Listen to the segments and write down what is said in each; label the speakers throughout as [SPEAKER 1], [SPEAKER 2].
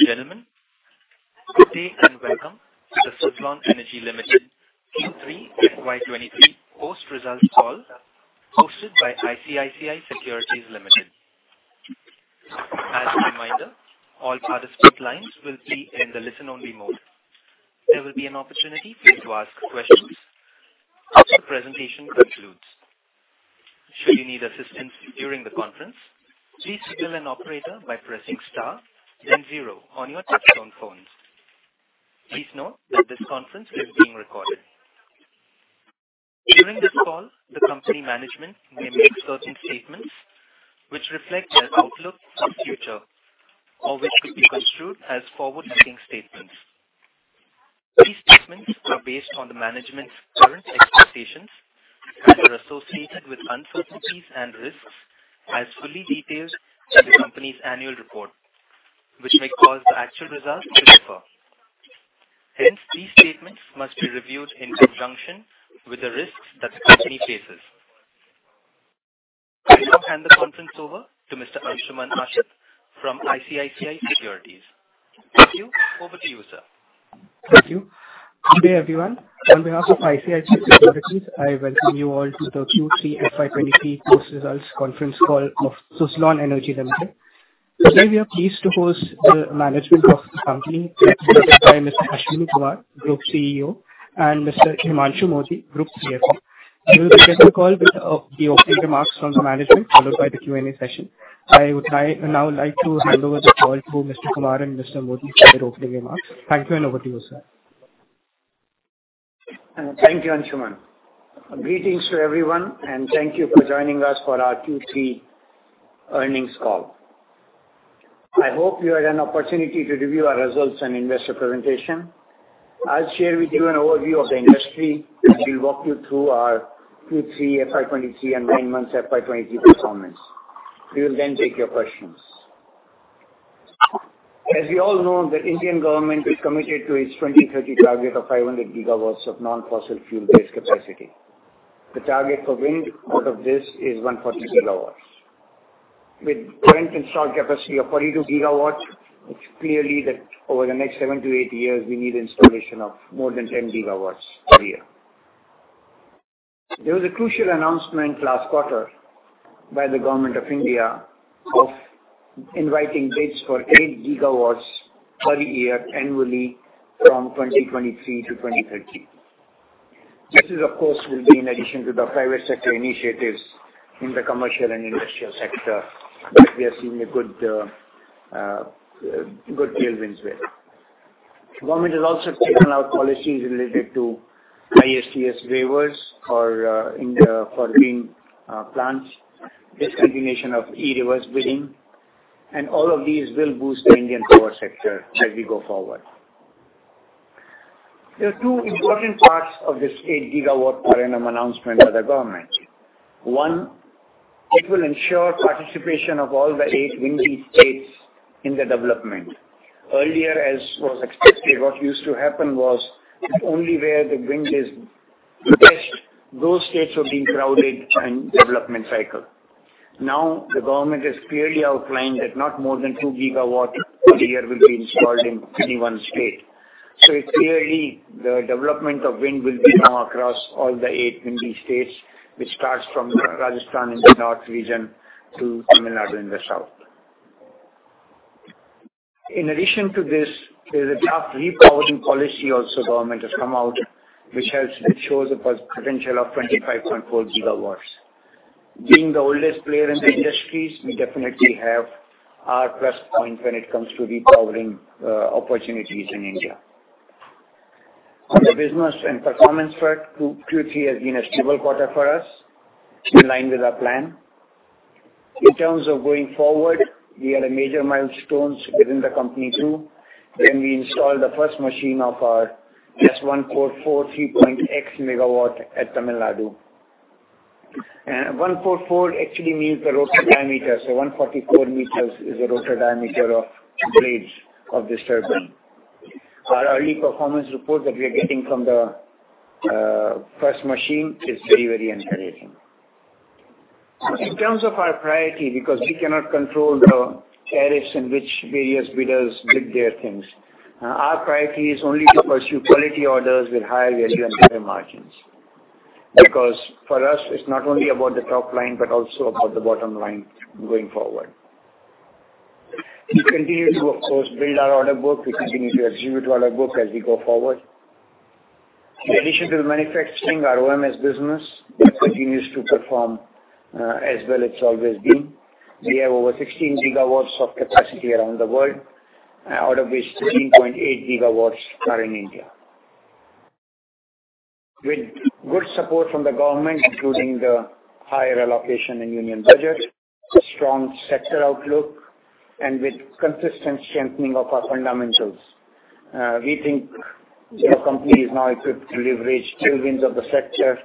[SPEAKER 1] Ladies and gentlemen, good day and welcome 20 to the Suzlon Energy Limited Q3 FY23 post-results call hosted by ICICI Securities Limited. As a reminder, all participant lines will be in the listen only mode. There will be an opportunity for you to ask questions after the presentation concludes. Should you need assistance during the conference, please dial an operator by pressing star then zero on your touch tone phones. Please note that this conference is being recorded. During this call, the company management may make certain statements which reflect their outlook for future or which could be construed as forward-looking statements. These statements are based on the management's current expectations and are associated with uncertainties and risks as fully detailed in the company's annual report, which may cause the actual results to differ. Hence, these statements must be reviewed in conjunction with the risks that the company faces. I now hand the conference over to Mr. Ansuman Deb from ICICI Securities. Thank you. Over to you, sir.
[SPEAKER 2] Thank you. Good day, everyone. On behalf of ICICI Securities, I welcome you all to the Q3 FY23 post results conference call of Suzlon Energy Limited. Today, we are pleased to host the management of the company led by Mr. Ashwani Kumar, Group CEO, and Mr. Himanshu Mody, Group CFO. We will begin the call with the opening remarks from the management, followed by the Q&A session. I would now like to hand over the call to Mr. Kumar and Mr. Mody for their opening remarks. Thank you, over to you, sir.
[SPEAKER 3] Thank you, Ansuman. Greetings to everyone, and thank you for joining us for our Q3 earnings call. I hope you had an opportunity to review our results and investor presentation. I'll share with you an overview of the industry and will walk you through our Q3 FY 2023 and 9 months FY 2023 performance. We will take your questions. As we all know, the Government of India is committed to its 2030 target of 500 GW of non-fossil fuel-based capacity. The target for wind out of this is 100 GW. With current installed capacity of 42 GW, it's clearly that over the next seven to eight years we need installation of more than 10 GW per year. There was a crucial announcement last quarter by the Government of India of inviting bids for 8 GW per year annually from 2023 to 2030. This is, of course, will be in addition to the private sector initiatives in the commercial and industrial sector that we are seeing a good tailwinds with. Government has also taken out policies related to ISTS waivers for green plants, discontinuation of e-reverse bidding, and all of these will boost the Indian power sector as we go forward. There are two important parts of this 8 GW per annum announcement by the government. One, it will ensure participation of all the eight windy states in the development. Earlier, as was expected, what used to happen was only where the wind is best, those states would be crowded in development cycle. Now, the government has clearly outlined that not more than 2 GW per year will be installed in any one state. It's clearly the development of wind will be now across all the eight windy states, which starts from Rajasthan in the north region to Tamil Nadu in the south. In addition to this, there's a tough repowering policy also Government has come out, which shows a potential of 25.4 GW. Being the oldest player in the industries, we definitely have our plus point when it comes to repowering opportunities in India. On the business and performance front, Q3 has been a stable quarter for us in line with our plan. In terms of going forward, we had a major milestones within the company too when we installed the first machine of our S144 3.x MW at Tamil Nadu. 144 actually means the rotor diameter. 144 m is the rotor diameter of blades of this turbine. Our early performance report that we are getting from the first machine is very, very encouraging. In terms of our priority, because we cannot control the tariffs in which various bidders bid their things, our priority is only to pursue quality orders with higher value and better margins. For us it's not only about the top line, but also about the bottom line going forward. We continue to, of course, build our order book. We continue to execute order book as we go forward. In addition to the manufacturing, our OMS business continues to perform as well it's always been. We have over 16 GW of capacity around the world, out of which 13.8 GW are in India. With good support from the government, including the higher allocation in union budget, strong sector outlook, and with consistent strengthening of our fundamentals, we think the company is now equipped to leverage tailwinds of the sector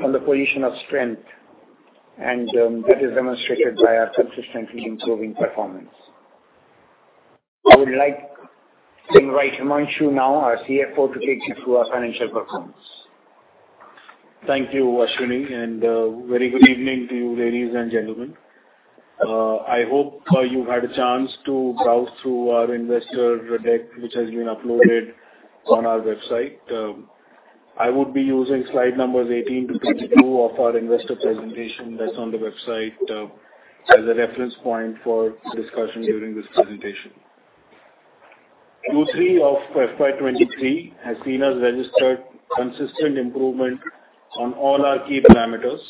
[SPEAKER 3] from the position of strength, and that is demonstrated by our consistently improving performance. I would like to invite Himanshu now, our CFO, to take you through our financial performance.
[SPEAKER 4] Thank you, Ashwani, very good evening to you, ladies and gentlemen. I hope you've had a chance to browse through our investor deck, which has been uploaded on our website. I would be using slide numbers 18 to 22 of our investor presentation that's on the website, as a reference point for discussion during this presentation. Q3 of FY 2023 has seen us registered consistent improvement on all our key parameters.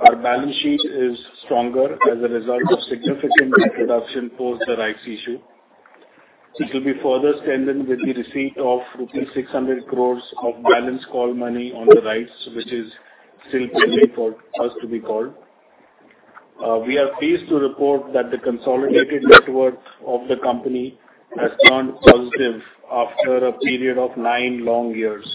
[SPEAKER 4] Our balance sheet is stronger as a result of significant debt reduction post the rights issue. It will be further strengthened with the receipt of rupees 600 crores of balance call money on the rights, which is still pending for us to be called. We are pleased to report that the consolidated net worth of the company has turned positive after a period of nine long years.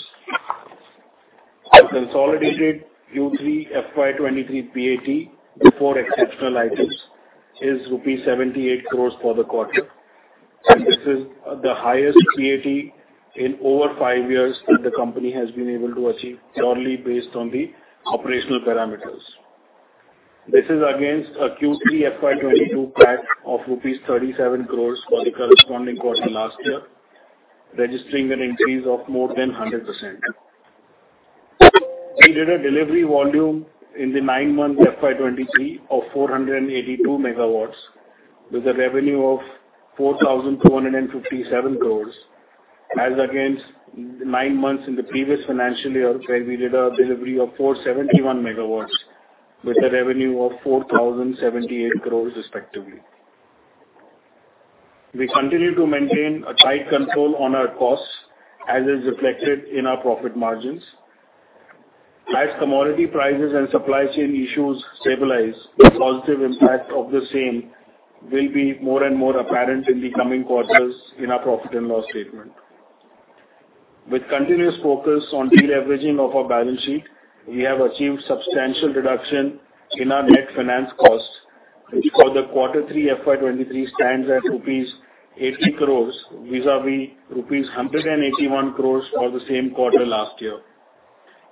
[SPEAKER 4] Our consolidated Q3 FY 2023 PAT before exceptional items is rupees 78 crores for the quarter. This is the highest PAT in over five years that the company has been able to achieve solely based on the operational parameters. This is against a Q3 FY 2022 PAT of INR 37 crores for the corresponding quarter last year, registering an increase of more than 100%. We did a delivery volume in the 9-month FY 2023 of 482 MW, with a revenue of 4,257 crores as against nine months in the previous financial year, where we did a delivery of 471 MW with a revenue of 4,078 crores respectively. We continue to maintain a tight control on our costs, as is reflected in our profit margins. As commodity prices and supply chain issues stabilize, the positive impact of the same will be more and more apparent in the coming quarters in our profit and loss statement. With continuous focus on de-leveraging of our balance sheet, we have achieved substantial reduction in our net finance cost, which for the Q3 FY 2023 stands at rupees 80 crores vis-a-vis rupees 181 crores for the same quarter last year,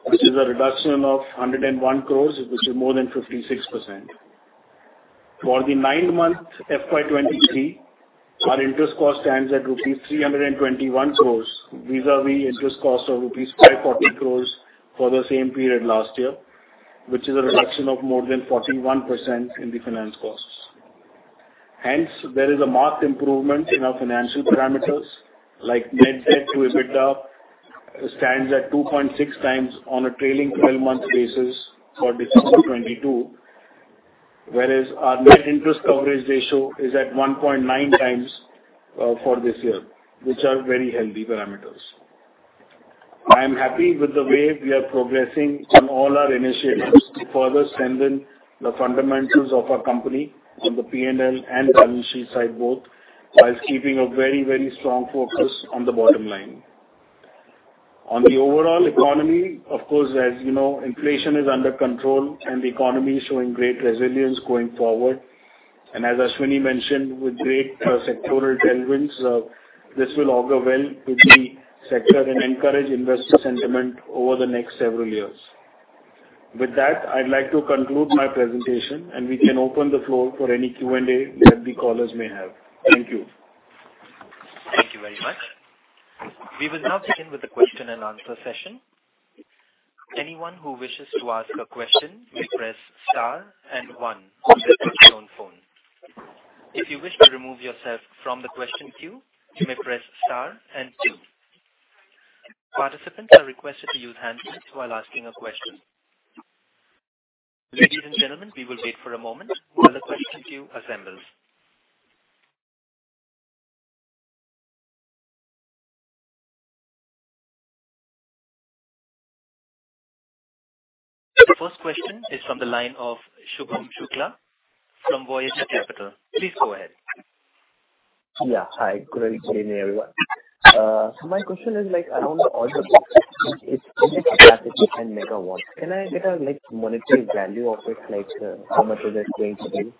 [SPEAKER 4] which is a reduction of 101 crores, which is more than 56%. For the nine-month FY 2023, our interest cost stands at rupees 321 crores vis-a-vis interest cost of rupees 540 crores for the same period last year, which is a reduction of more than 41% in the finance costs. There is a marked improvement in our financial parameters like net debt to EBITDA stands at 2.6x on a trailing 12-month basis for December 2022, whereas our net interest coverage ratio is at 1.9 times for this year, which are very healthy parameters. I am happy with the way we are progressing on all our initiatives to further strengthen the fundamentals of our company on the P&L and balance sheet side both, whilst keeping a very, very strong focus on the bottom line. On the overall economy, of course, as you know, inflation is under control and the economy is showing great resilience going forward. As Ashwani mentioned, with great sectoral tailwinds, this will augur well with the sector and encourage investor sentiment over the next several years. With that, I'd like to conclude my presentation, and we can open the floor for any Q&A that the callers may have. Thank you.
[SPEAKER 1] Thank you very much. We will now begin with the question and answer session. Anyone who wishes to ask a question may press star and one on their touchtone phone. If you wish to remove yourself from the question queue, you may press star and two. Participants are requested to use handsets while asking a question. Ladies and gentlemen, we will wait for a moment while the question queue assembles. The first question is from the line of Shubham Shukla from Voyager Capital. Please go ahead.
[SPEAKER 5] Yeah. Hi. Good evening, everyone. My question is, like, around the order book. It's in gigawatts and megawatts. Can I get a, like, monetary value of it? Like, how much is it going to be?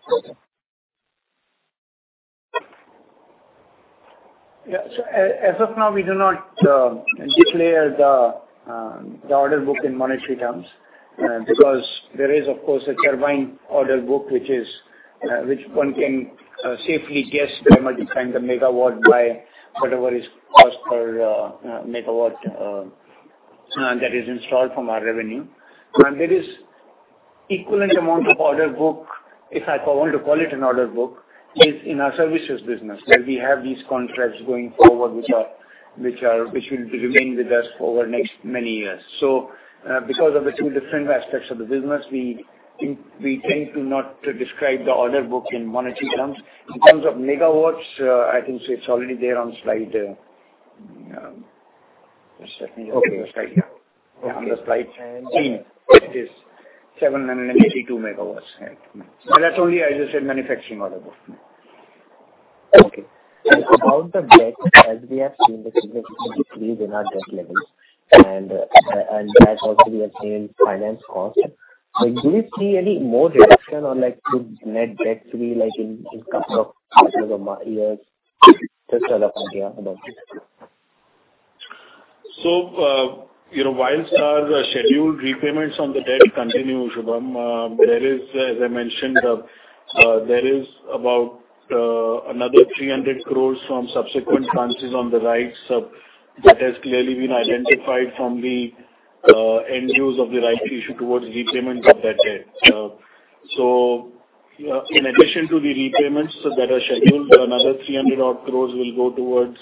[SPEAKER 4] As of now, we do not declare the order book in monetary terms, because there is, of course, a turbine order book, which is, which one can safely guess by multiplying the megawatt by whatever is cost per megawatt that is installed from our revenue. There is equivalent amount of order book, if I want to call it an order book, is in our services business, where we have these contracts going forward which will remain with us over next many years. Because of the two different aspects of the business, we tend to not describe the order book in monetary terms. In terms of megawatts, I can say it's already there on slide. Just let me just see the slide here.
[SPEAKER 5] Okay.
[SPEAKER 4] On the slide 10, it is 782 MW. Yeah. That's only, as you said, manufacturing order book.
[SPEAKER 5] Okay. About the debt, as we have seen the significant decrease in our debt levels and that also we have seen finance cost. Like, do you see any more reduction or, like, could net debt to be, like, in couple of years?
[SPEAKER 4] You know, whilst our scheduled repayments on the debt continue, Shubham, there is, as I mentioned, there is about another 300 crores from subsequent tranches on the rights, that has clearly been identified from the end use of the rights issue towards repayment of that debt. In addition to the repayments that are scheduled, another 300 odd crores will go towards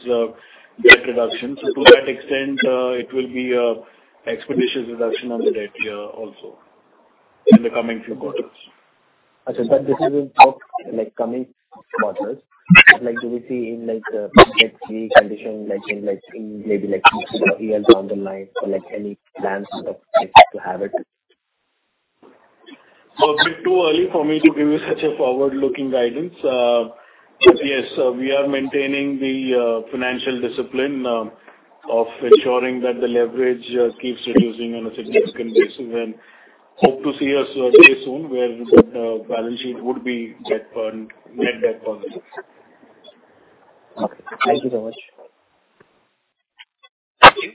[SPEAKER 4] debt reduction. To that extent, it will be a expeditious reduction of the debt, yeah, also in the coming few quarters.
[SPEAKER 5] Okay. This is in talk, like, coming quarters. Do we see in, like, let's say condition like in, like, in maybe like two or three years down the line or like any plans of to have it?
[SPEAKER 4] A bit too early for me to give you such a forward-looking guidance. Yes, we are maintaining the financial discipline of ensuring that the leverage keeps reducing on a significant basis. Hope to see us very soon where the balance sheet would be debt free, net debt free.
[SPEAKER 5] Okay. Thank you so much.
[SPEAKER 1] Thank you.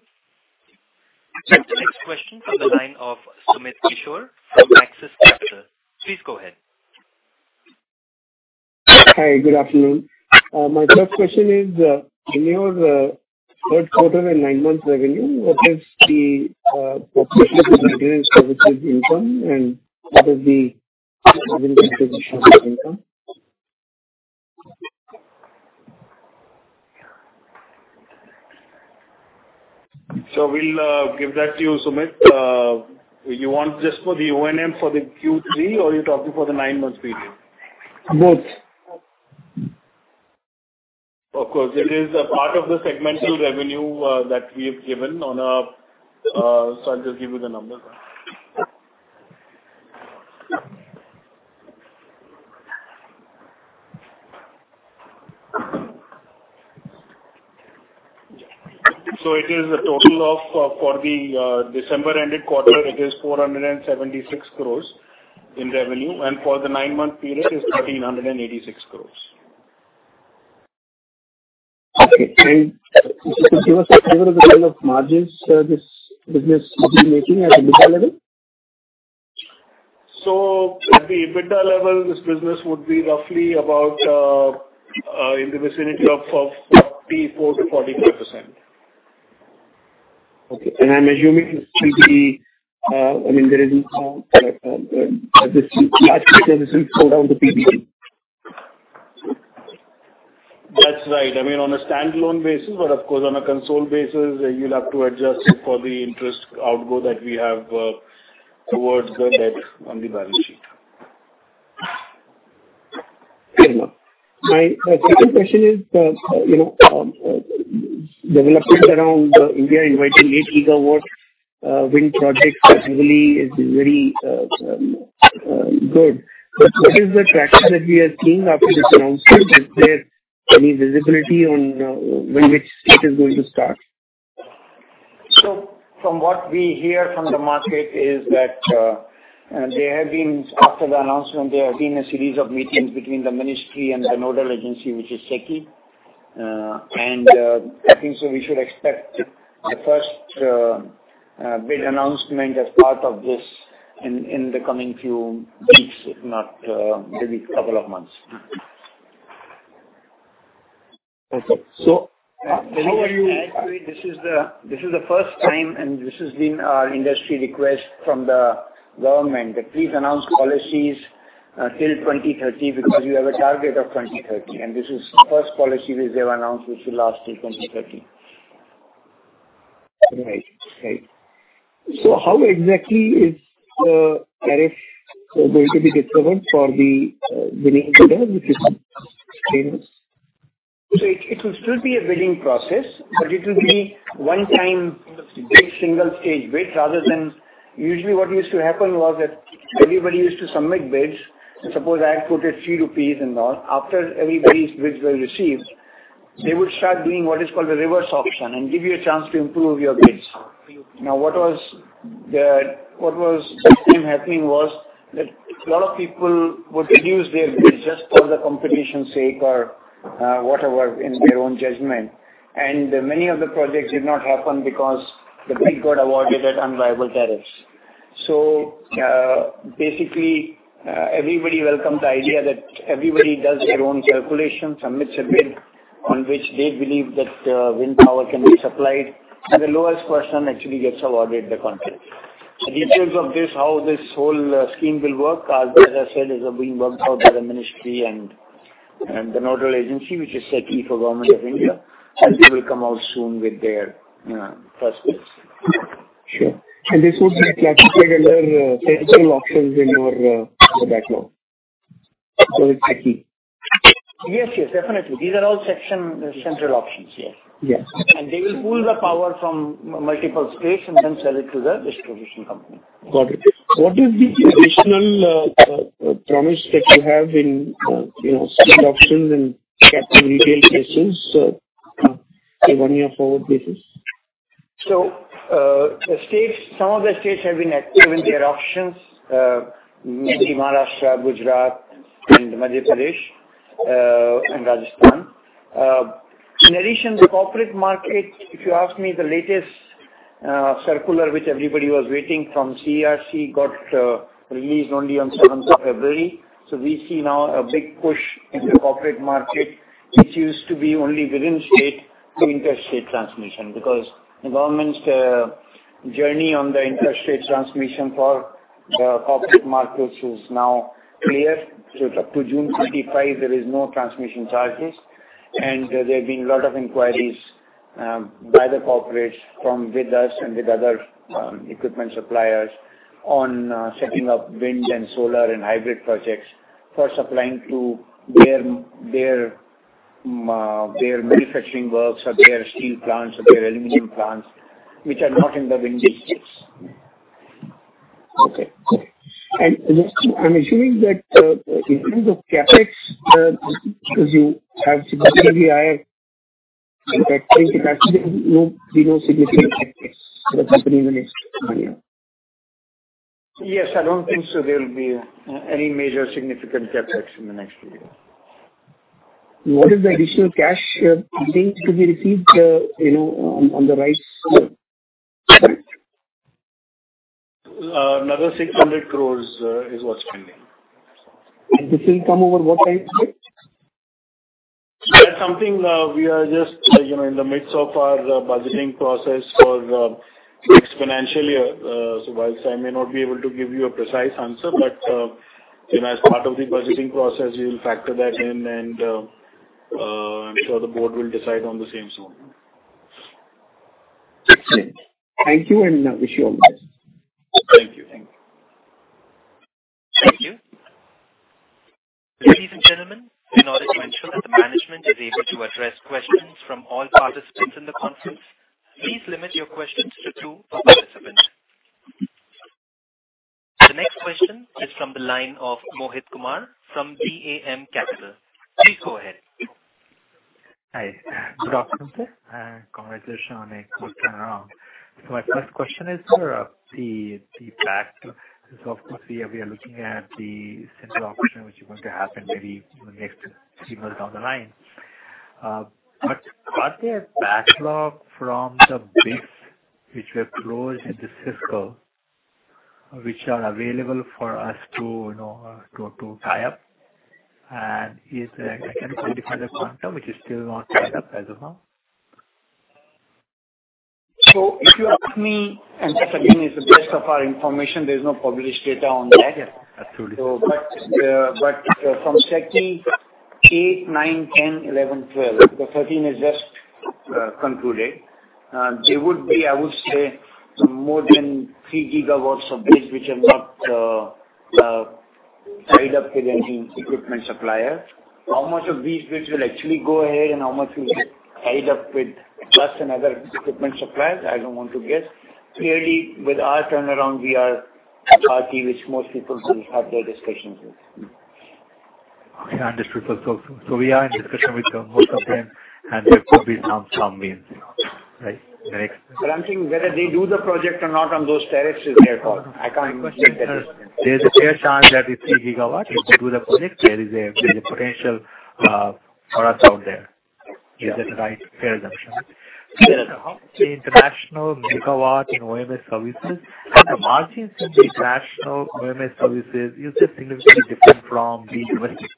[SPEAKER 1] The next question from the line of Sumit Kishore from Axis Capital. Please go ahead.
[SPEAKER 6] Hi. Good afternoon. My first question is, in your third quarter and nine months revenue, what is the proportion of the maintenance services income, and what is the income?
[SPEAKER 4] We'll give that to you, Sumit. You want just for the O&M for the Q3, or you're talking for the nine months period?
[SPEAKER 6] Both.
[SPEAKER 3] Of course, it is a part of the segmental revenue, that we have given on a. I'll just give you the numbers. It is a total of, for the December-ended quarter, it is 476 crores in revenue, and for the nine-month period is 1,386 crores.
[SPEAKER 6] Okay. Could you also give us a level of margins, this business would be making at EBITDA level?
[SPEAKER 3] At the EBITDA level, this business would be roughly about, in the vicinity of 44%-45%.
[SPEAKER 6] Okay. I'm assuming PBE, I mean, there isn't, this actually there isn't flow down to PBE.
[SPEAKER 3] That's right. I mean, on a standalone basis. Of course, on a console basis, you'll have to adjust it for the interest outflow that we have towards the debt on the balance sheet.
[SPEAKER 6] Fair enough. My second question is, you know, developments around India inviting late eager work, wind projects really is very good. What is the traction that we are seeing after this announcement? Is there any visibility on when which state is going to start?
[SPEAKER 3] From what we hear from the market is that there have been, after the announcement, there have been a series of meetings between the ministry and the nodal agency, which is SECI. I think so we should expect the first big announcement as part of this in the coming few weeks, if not maybe couple of months.
[SPEAKER 6] Okay.
[SPEAKER 3] Actually, this is the first time, this has been our industry request from the government that please announce policies till 2030, because you have a target of 2030. This is the first policy which they have announced which will last till 2030.
[SPEAKER 6] Right. Right. How exactly is the tariff going to be discovered for the winning bidders? Which is
[SPEAKER 3] it will still be a bidding process, but it will be one time big single stage bids rather than... Usually what used to happen was that everybody used to submit bids. Suppose I had quoted 3 rupees and all. After everybody's bids were received, they would start doing what is called a reverse auction and give you a chance to improve your bids. Now, what was sometime happening was that a lot of people would reduce their bids just for the competition sake or, whatever in their own judgment. Many of the projects did not happen because the bid got awarded at unviable tariffs. Basically, everybody welcomed the idea that everybody does their own calculation, submits a bid on which they believe that, wind power can be supplied, and the lowest person actually gets awarded the contract. The details of this, how this whole scheme will work are, as I said, is being worked out by the ministry and the nodal agency, which is SECI for Government of India. They will come out soon with their prospects.
[SPEAKER 6] Sure. This would be classified under central auctions in your backlog. It's SECI.
[SPEAKER 3] Yes, yes, definitely. These are all section, central auctions. Yes.
[SPEAKER 6] Yes.
[SPEAKER 3] They will pool the power from multiple states and then sell it to the distribution company.
[SPEAKER 6] Got it. What is the additional promise that you have in, you know, state auctions in captive retail cases? On your forward basis.
[SPEAKER 3] The states, some of the states have been active in their auctions, mainly Maharashtra, Gujarat, and Madhya Pradesh, and Rajasthan. In addition, the corporate market, if you ask me the latest circular, which everybody was waiting from CERC, got released only on seventh of February. We see now a big push into the corporate market, which used to be only within state to interstate transmission. The Government's journey on the interstate transmission for the corporate markets is now clear. Up to June 25, there is no transmission charges. There have been a lot of inquiries by the corporates from with us and with other equipment suppliers on setting up wind and solar and hybrid projects for supplying to their manufacturing works or their steel plants or their aluminum plants, which are not in the wind districts.
[SPEAKER 6] Okay. Okay. Just I'm assuming that, in terms of CapEx, because you have
[SPEAKER 3] Yes, I don't think so there will be any major significant CapEx in the next two years.
[SPEAKER 6] What is the additional cash, you think could be received, you know, on the rights side?
[SPEAKER 3] Another 600 crores, is what's pending.
[SPEAKER 6] This will come over what time frame?
[SPEAKER 3] That's something, we are just, you know, in the midst of our budgeting process for, next financial year. Whilst I may not be able to give you a precise answer, but, you know, as part of the budgeting process, we'll factor that in and, I'm sure the Board will decide on the same soon.
[SPEAKER 6] Excellent. Thank you, and I wish you all the best.
[SPEAKER 3] Thank you. Thank you.
[SPEAKER 1] Thank you. Ladies and gentlemen, in order to ensure that the management is able to address questions from all participants in the conference, please limit your questions to two per participant. The next question is from the line of Mohit Kumar from DAM Capital. Please go ahead.
[SPEAKER 7] Hi. Good afternoon, sir. Congratulations on a good turnaround. My first question is, sir, the fact, of course, we are looking at the central auction, which is going to happen maybe in the next three months down the line. Are there backlog from the bids which were closed in the fiscal which are available for us to, you know, to tie up? Is there, can you quantify the quantum which is still not tied up as of now?
[SPEAKER 3] If you ask me, and that again is the best of our information, there's no published data on that.
[SPEAKER 7] Yeah. Absolutely.
[SPEAKER 3] From checking eight, nine, 10, 11, 12, the 13 is just concluded. There would be, I would say, more than 3 GW of bids which are not tied up with any equipment supplier. How much of these bids will actually go ahead and how much will get tied up with us and other equipment suppliers, I don't want to guess. Clearly, with our turnaround, we are a party which most people will have their discussions with.
[SPEAKER 7] Okay, understood. We are in discussion with most of them, and there could be some wins, right? Right.
[SPEAKER 3] I'm saying whether they do the project or not on those tariffs is their call. I can't take that risk.
[SPEAKER 7] There's a fair chance that the 3 GW, if they do the project, there is a, there's a potential for us out there.
[SPEAKER 3] Yes.
[SPEAKER 7] Is that the right fair assumption?
[SPEAKER 3] Yes.
[SPEAKER 7] How much is the international megawatt in O&M services? The margins in the international O&M services, is it significantly different from the domestic?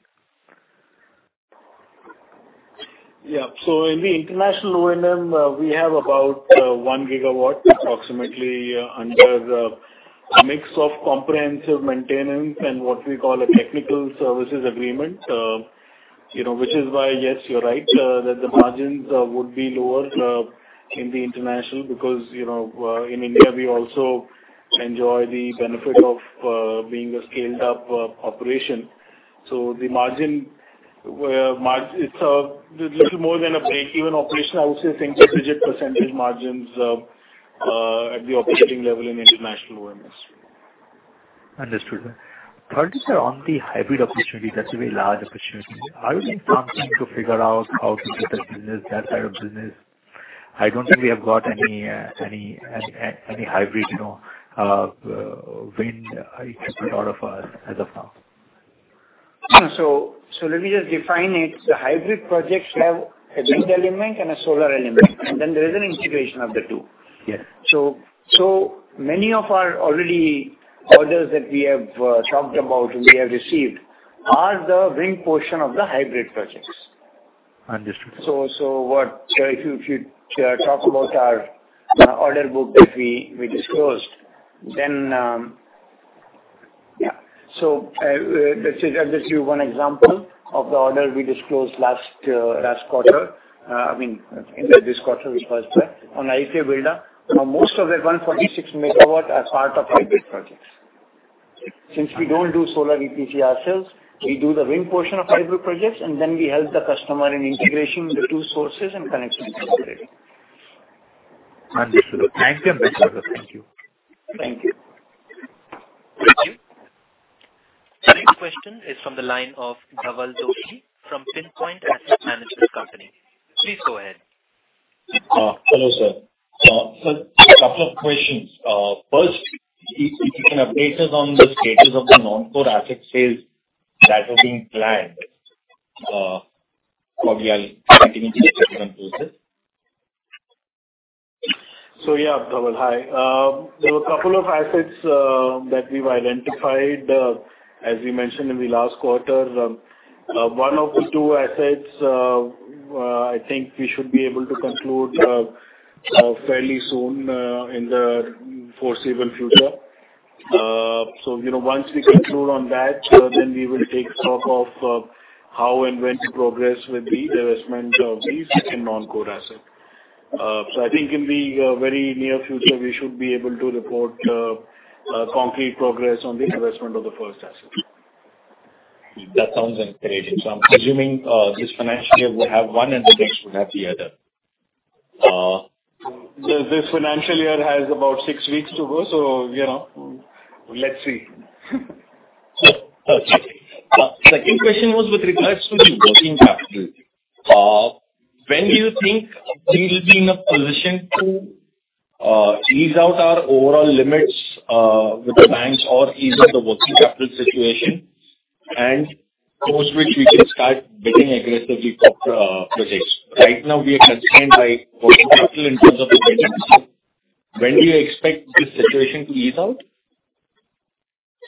[SPEAKER 3] In the international O&M, we have about 1 GW approximately under the mix of comprehensive maintenance and what we call a Technical Services Agreement. You know, which is why, yes, you are right, that the margins would be lower in the international because, you know, in India, we also enjoy the benefit of being a scaled up operation. The margin, it is little more than a break-even operation. I would say single-digit % margins at the operating level in international O&M.
[SPEAKER 7] Understood. Third is on the hybrid opportunity. That's a very large opportunity. Are you doing something to figure out how to get that business, that side of business? I don't think we have got any hybrid, you know, wind IPP out of us as of now.
[SPEAKER 3] Let me just define it. The hybrid projects have a wind element and a solar element, there is an integration of the two.
[SPEAKER 7] Yes.
[SPEAKER 3] Many of our already orders that we have, talked about and we have received are the wind portion of the hybrid projects.
[SPEAKER 7] Understood.
[SPEAKER 3] What if you talk about our order book that we disclosed? Yeah. Let's say I'll just give one example of the order we disclosed last quarter. I mean, in this quarter which was there. On SECI Bidar, you know, most of that 146 MW are part of hybrid projects. Since we don't do solar EPC ourselves, we do the wind portion of hybrid projects, and then we help the customer in integration the two sources and connection to the grid.
[SPEAKER 7] Understood. Thank you. Best wishes. Thank you.
[SPEAKER 3] Thank you.
[SPEAKER 1] Question is from the line of Dhaval Doshi from Pinpoint Asset Management Company. Please go ahead.
[SPEAKER 8] Hello, sir. Couple of questions. First, if you can update us on the status of the non-core asset sales that are being planned. Probably I'll continue to get everyone through this.
[SPEAKER 4] Yeah, Dhaval. Hi. There were two assets that we've identified. As we mentioned in the last quarter. One of the two assets, I think we should be able to conclude fairly soon in the foreseeable future. You know, once we conclude on that, then we will take stock of how and when to progress with the divestment of these in non-core asset. I think in the very near future, we should be able to report concrete progress on the divestment of the first asset.
[SPEAKER 8] That sounds encouraging. I'm presuming, this financial year we'll have one and the next we'll have the other.
[SPEAKER 4] The financial year has about six weeks to go, so you know, let's see.
[SPEAKER 8] Sure. Okay. Second question was with regards to the working capital. When do you think things will be in a position to ease out our overall limits with the banks or ease out the working capital situation and post which we can start bidding aggressively for projects? Right now we are constrained by working capital in terms of the bidding. When do you expect this situation to ease out?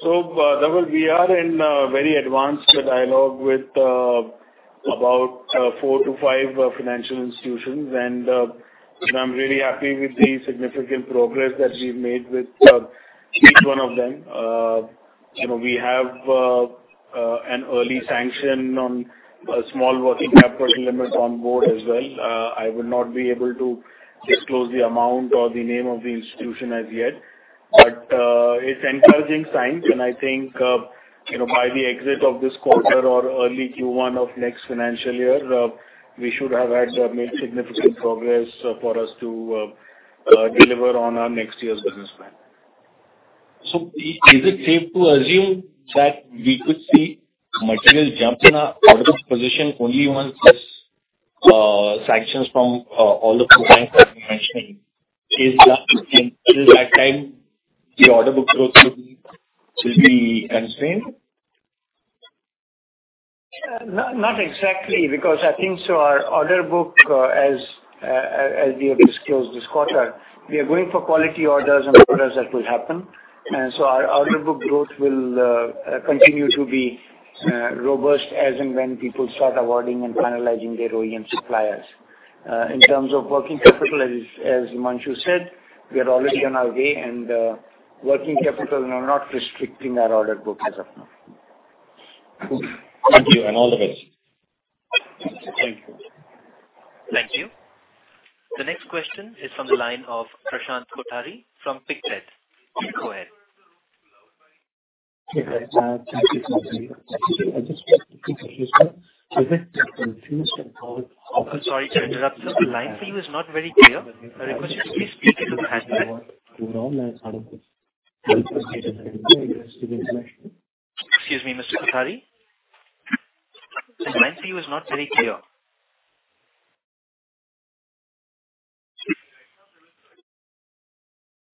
[SPEAKER 4] Dhaval, we are in a very advanced dialogue with about four to five financial institutions, and I'm really happy with the significant progress that we've made with each one of them. You know, we have an early sanction on a small working capital limit on board as well. I would not be able to disclose the amount or the name of the institution as yet, but it's encouraging signs, and I think, you know, by the exit of this quarter or early Q1 of next financial year, we should have made significant progress for us to deliver on our next year's business plan.
[SPEAKER 8] Is it safe to assume that we could see material jump in our orders position only once this sanctions from all the banks that you mentioned is done? Till that time the order book growth will be, should be constrained.
[SPEAKER 3] Not exactly because I think so our order book, as we have disclosed this quarter, we are going for quality orders and orders that will happen. Our order book growth will continue to be robust as and when people start awarding and finalizing their OEM suppliers. In terms of working capital as Himanshu said, we are already on our way and working capital are not restricting our order book as of now.
[SPEAKER 8] Good. Thank you and all the best.
[SPEAKER 4] Thank you.
[SPEAKER 1] Thank you. The next question is from the line of Prashant Kothari from Pictet Asset Management. Please go ahead.
[SPEAKER 9] Thank you. Actually, I just want to confirm. A bit confused.
[SPEAKER 1] Oh, sorry to interrupt sir. The line for you is not very clear. Could you please speak a little louder?
[SPEAKER 9] overall as part of this
[SPEAKER 1] Excuse me, Mr. Kothari. The line for you is not very clear.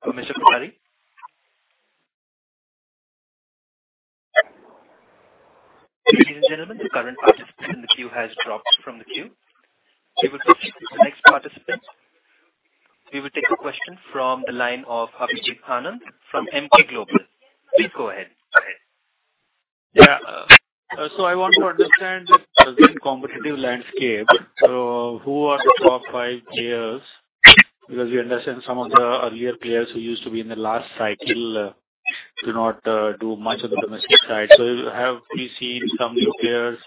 [SPEAKER 1] Mr. Kothari? Ladies and gentlemen, the current participant in the queue has dropped from the queue. We will proceed to the next participant. We will take a question from the line of Abhijit Anand from Emkay Global. Please go ahead.
[SPEAKER 10] Yeah. I want to understand the competitive landscape. Who are the top five players? Because we understand some of the earlier players who used to be in the last cycle, do not, do much of the domestic side. Have we seen some new players,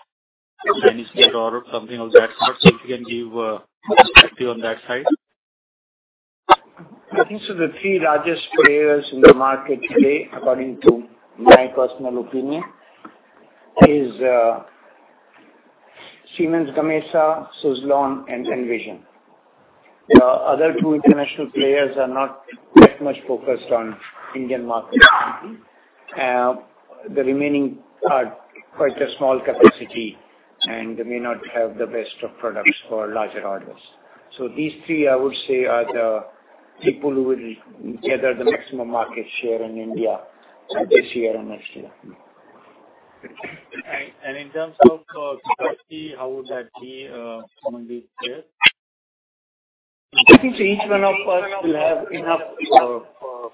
[SPEAKER 10] Chinese player or something of that sort? If you can give perspective on that side.
[SPEAKER 3] I think so the three largest players in the market today, according to my personal opinion, is Siemens Gamesa, Suzlon and Envision. The other two international players are not that much focused on Indian market. The remaining are quite a small capacity and they may not have the best of products for larger orders. These three, I would say are the people who will gather the maximum market share in India this year and next year.
[SPEAKER 10] In terms of capacity, how would that be among these players?
[SPEAKER 3] I think each one of us will have enough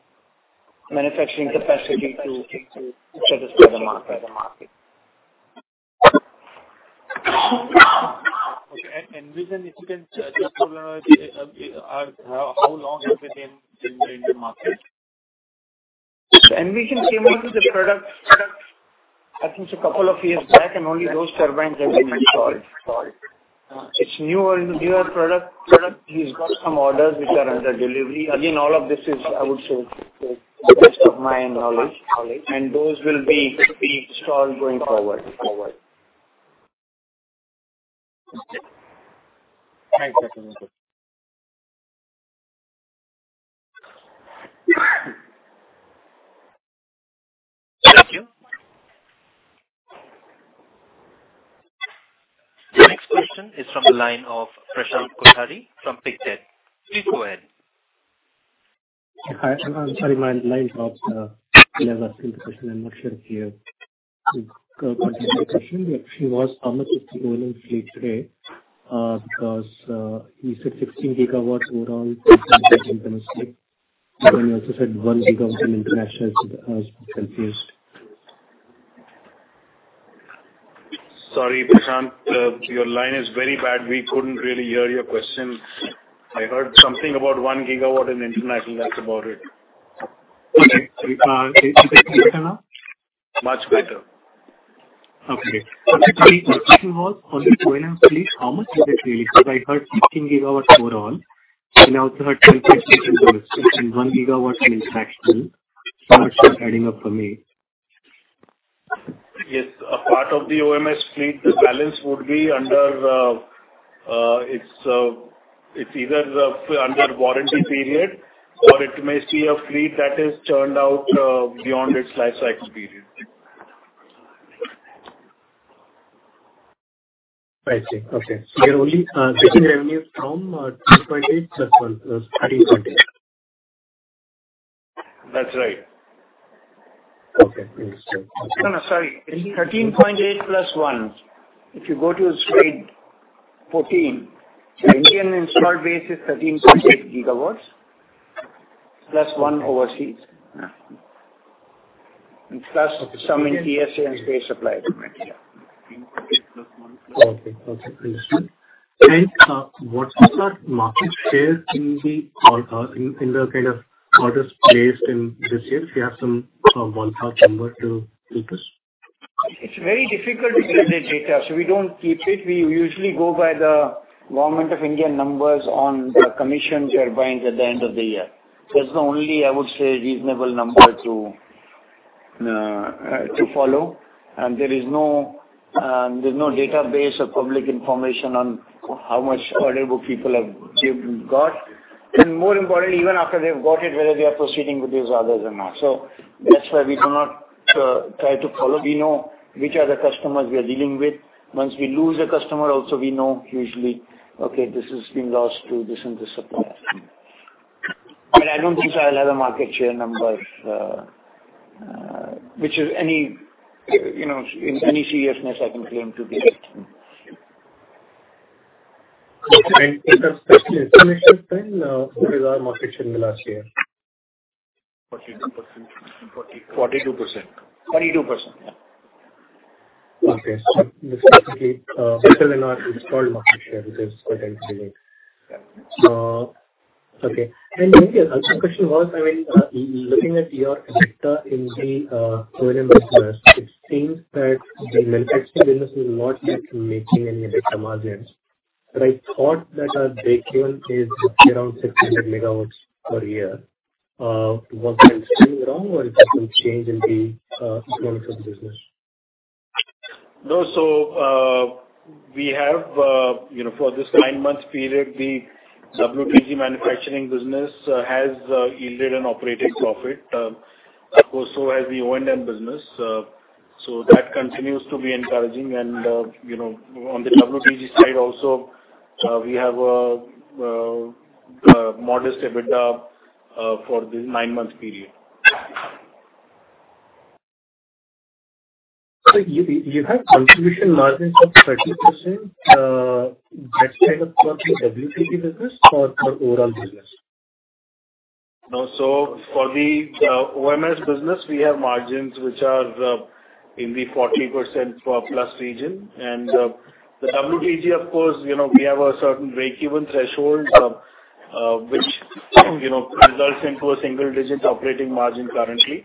[SPEAKER 3] manufacturing capacity to satisfy the market.
[SPEAKER 10] Okay. Envision, if you can just elaborate, how long have they been in the Indian market?
[SPEAKER 3] Envision came in with the product I think it's a couple of years back. Only those turbines have been installed.
[SPEAKER 10] Uh.
[SPEAKER 3] It's newer product. Product is got some orders which are under delivery. Again, all of this is, I would say to the best of my knowledge. Those will be installed going forward.
[SPEAKER 10] Thanks. That's it.
[SPEAKER 1] Thank you. The next question is from the line of Prashant Kothari from Pictet. Please go ahead.
[SPEAKER 9] Hi, I'm sorry, my line dropped. I'm not sure if you go continue the question. The question was how much is the O&M fleet today? Because you said 16 GW overall internationally, and you also said 1 GW in international. I was confused.
[SPEAKER 4] Sorry, Prashant. Your line is very bad. We couldn't really hear your question. I heard something about 1 GW in international, that's about it.
[SPEAKER 9] All right. Is it better now?
[SPEAKER 4] Much better.
[SPEAKER 9] The question was on the O&M fleet, how much is it really? I heard 16 GW overall, and I also heard 26 GW and 1 GW in international. It's not adding up for me.
[SPEAKER 4] Yes. A part of the OMS fleet, the balance would be under, it's either under warranty period or it may see a fleet that is churned out beyond its lifecycle period.
[SPEAKER 9] I see. Okay. You're only taking the revenues from, 2.8.
[SPEAKER 4] That's right.
[SPEAKER 9] Okay.
[SPEAKER 3] No, sorry. 13.8 + 1. If you go to Slide 14. The Indian installed base is 13.8 GW, +1 overseas.
[SPEAKER 9] Yeah.
[SPEAKER 3] Plus some in TSA and spares supply.
[SPEAKER 9] Okay. Understood. What is our market share in the kind of orders placed in this year? Do you have some ballpark number to give us?
[SPEAKER 3] It's very difficult to get the data, so we don't keep it. We usually go by the Government of India numbers on the commissions we are buying at the end of the year. That's the only, I would say, reasonable number to follow. There is no, there's no database or public information on how much order book people have got. More importantly, even after they've got it, whether they are proceeding with these orders or not. That's why we do not try to follow. We know which are the customers we are dealing with. Once we lose a customer also, we know usually, okay, this has been lost to this and this supplier. I don't think so I'll have a market share numbers, which is any, you know, in any seriousness I can claim to be right.
[SPEAKER 9] In that specific information then, what is our market share in the last year?
[SPEAKER 4] 42%.
[SPEAKER 3] 42%. 42%, yeah.
[SPEAKER 9] Okay. Specifically, better than our installed market share, which is quite encouraging.
[SPEAKER 3] Yeah.
[SPEAKER 9] Okay. The other question was, I mean, looking at your EBITDA in the O&M business, it seems that the manufacturing business is not yet making any EBITDA margins. I thought that our breakeven is around 600 MW per year. Was I seeing wrong or has that been changed in the going forward business?
[SPEAKER 4] No. We have, you know, for this nine-month period, the WTG manufacturing business has yielded an operating profit. Of course, so has the O&M business. That continues to be encouraging. You know, on the WTG side also, we have a modest EBITDA for this nine-month period.
[SPEAKER 9] You have contribution margins of 30%, that's kind of for the WTG business or for overall business?
[SPEAKER 4] No. For the OMS business we have margins which are in the 40%+ region. The WTG of course, you know, we have a certain breakeven threshold, which, you know, results into a single-digit operating margin currently.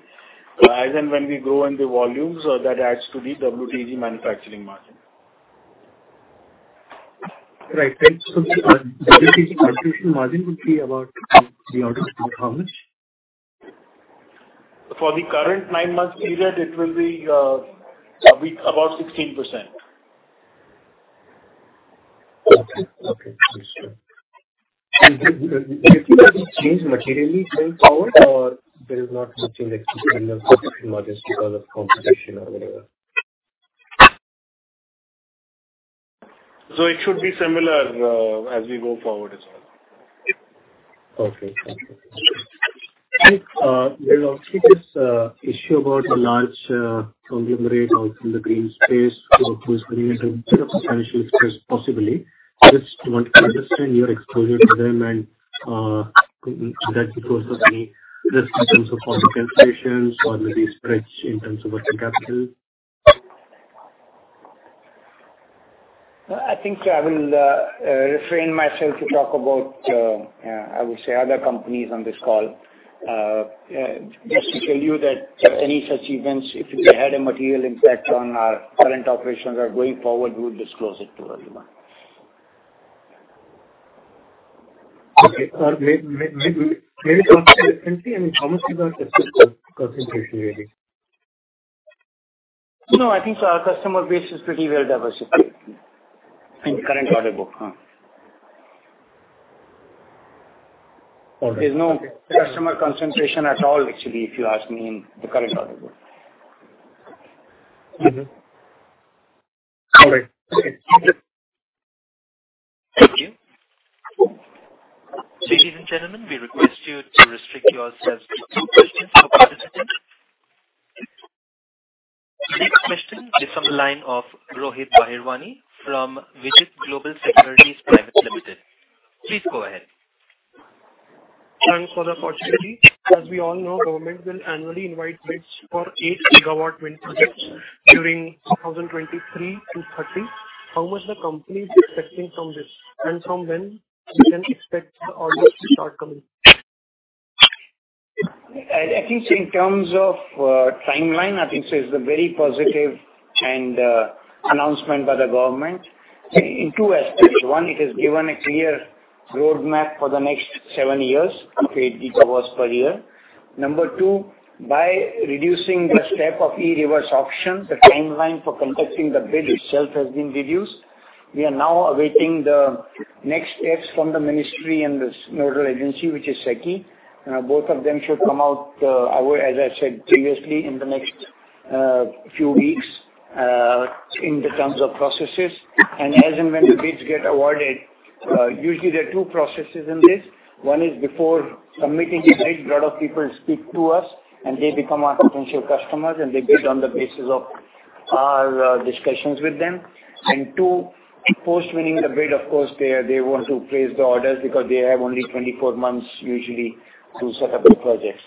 [SPEAKER 4] As and when we grow in the volumes, that adds to the WTG manufacturing margin.
[SPEAKER 9] Right. Thanks. The WTG contribution margin would be around how much?
[SPEAKER 4] For the current nine-month period, it will be about 16%.
[SPEAKER 9] Okay. Okay. Understood. Do you think that will change materially going forward or there is not much index in the margin because of competition or whatever?
[SPEAKER 4] It should be similar, as we go forward as well.
[SPEAKER 9] Okay. Thank you. There's obviously this issue about a large conglomerate also in the green space, who is bringing a bit of financial stress possibly. I just want to understand your exposure to them and that could also be risk in terms of order cancellations or maybe stretch in terms of working capital.
[SPEAKER 3] I think I will refrain myself to talk about I would say other companies on this call. Just to tell you that any such events, if they had a material impact on our current operations or going forward, we would disclose it to everyone.
[SPEAKER 9] Okay. Great. May we talk differently? I mean, how much is our concentration really?
[SPEAKER 3] I think so our customer base is pretty well diversified. In current order book.
[SPEAKER 9] Okay.
[SPEAKER 3] There's no customer concentration at all, actually, if you ask me, in the current order book.
[SPEAKER 9] Mm-hmm. All right. Okay.
[SPEAKER 1] Thank you. Ladies and gentlemen, we request you to restrict yourselves to two questions per participant. Next question is from the line of Rohit Bahirwani from Vijit Global Securities Private Limited. Please go ahead.
[SPEAKER 11] Thanks for the opportunity. As we all know, government will annually invite bids for 8 GW wind projects during 2023-2030. How much the company is expecting from this, and from when we can expect the orders to start coming?
[SPEAKER 3] I think in terms of timeline, I think so it's a very positive and announcement by the government in two aspects. One, it has given a clear roadmap for the next seven years up to 8 GW per year. Number two, by reducing the step of e-Reverse Auction, the timeline for conducting the bid itself has been reduced. We are now awaiting the next steps from the ministry and this nodal agency, which is SECI. Both of them should come out, as I said previously, in the next few weeks, in the terms of processes. And as and when the bids get awarded, usually there are two processes in this. One is before submitting the bid, lot of people speak to us and they become our potential customers, and they bid on the basis of our discussions with them. Two, post winning the bid, of course, they want to place the orders because they have only 24 months usually to set up the projects.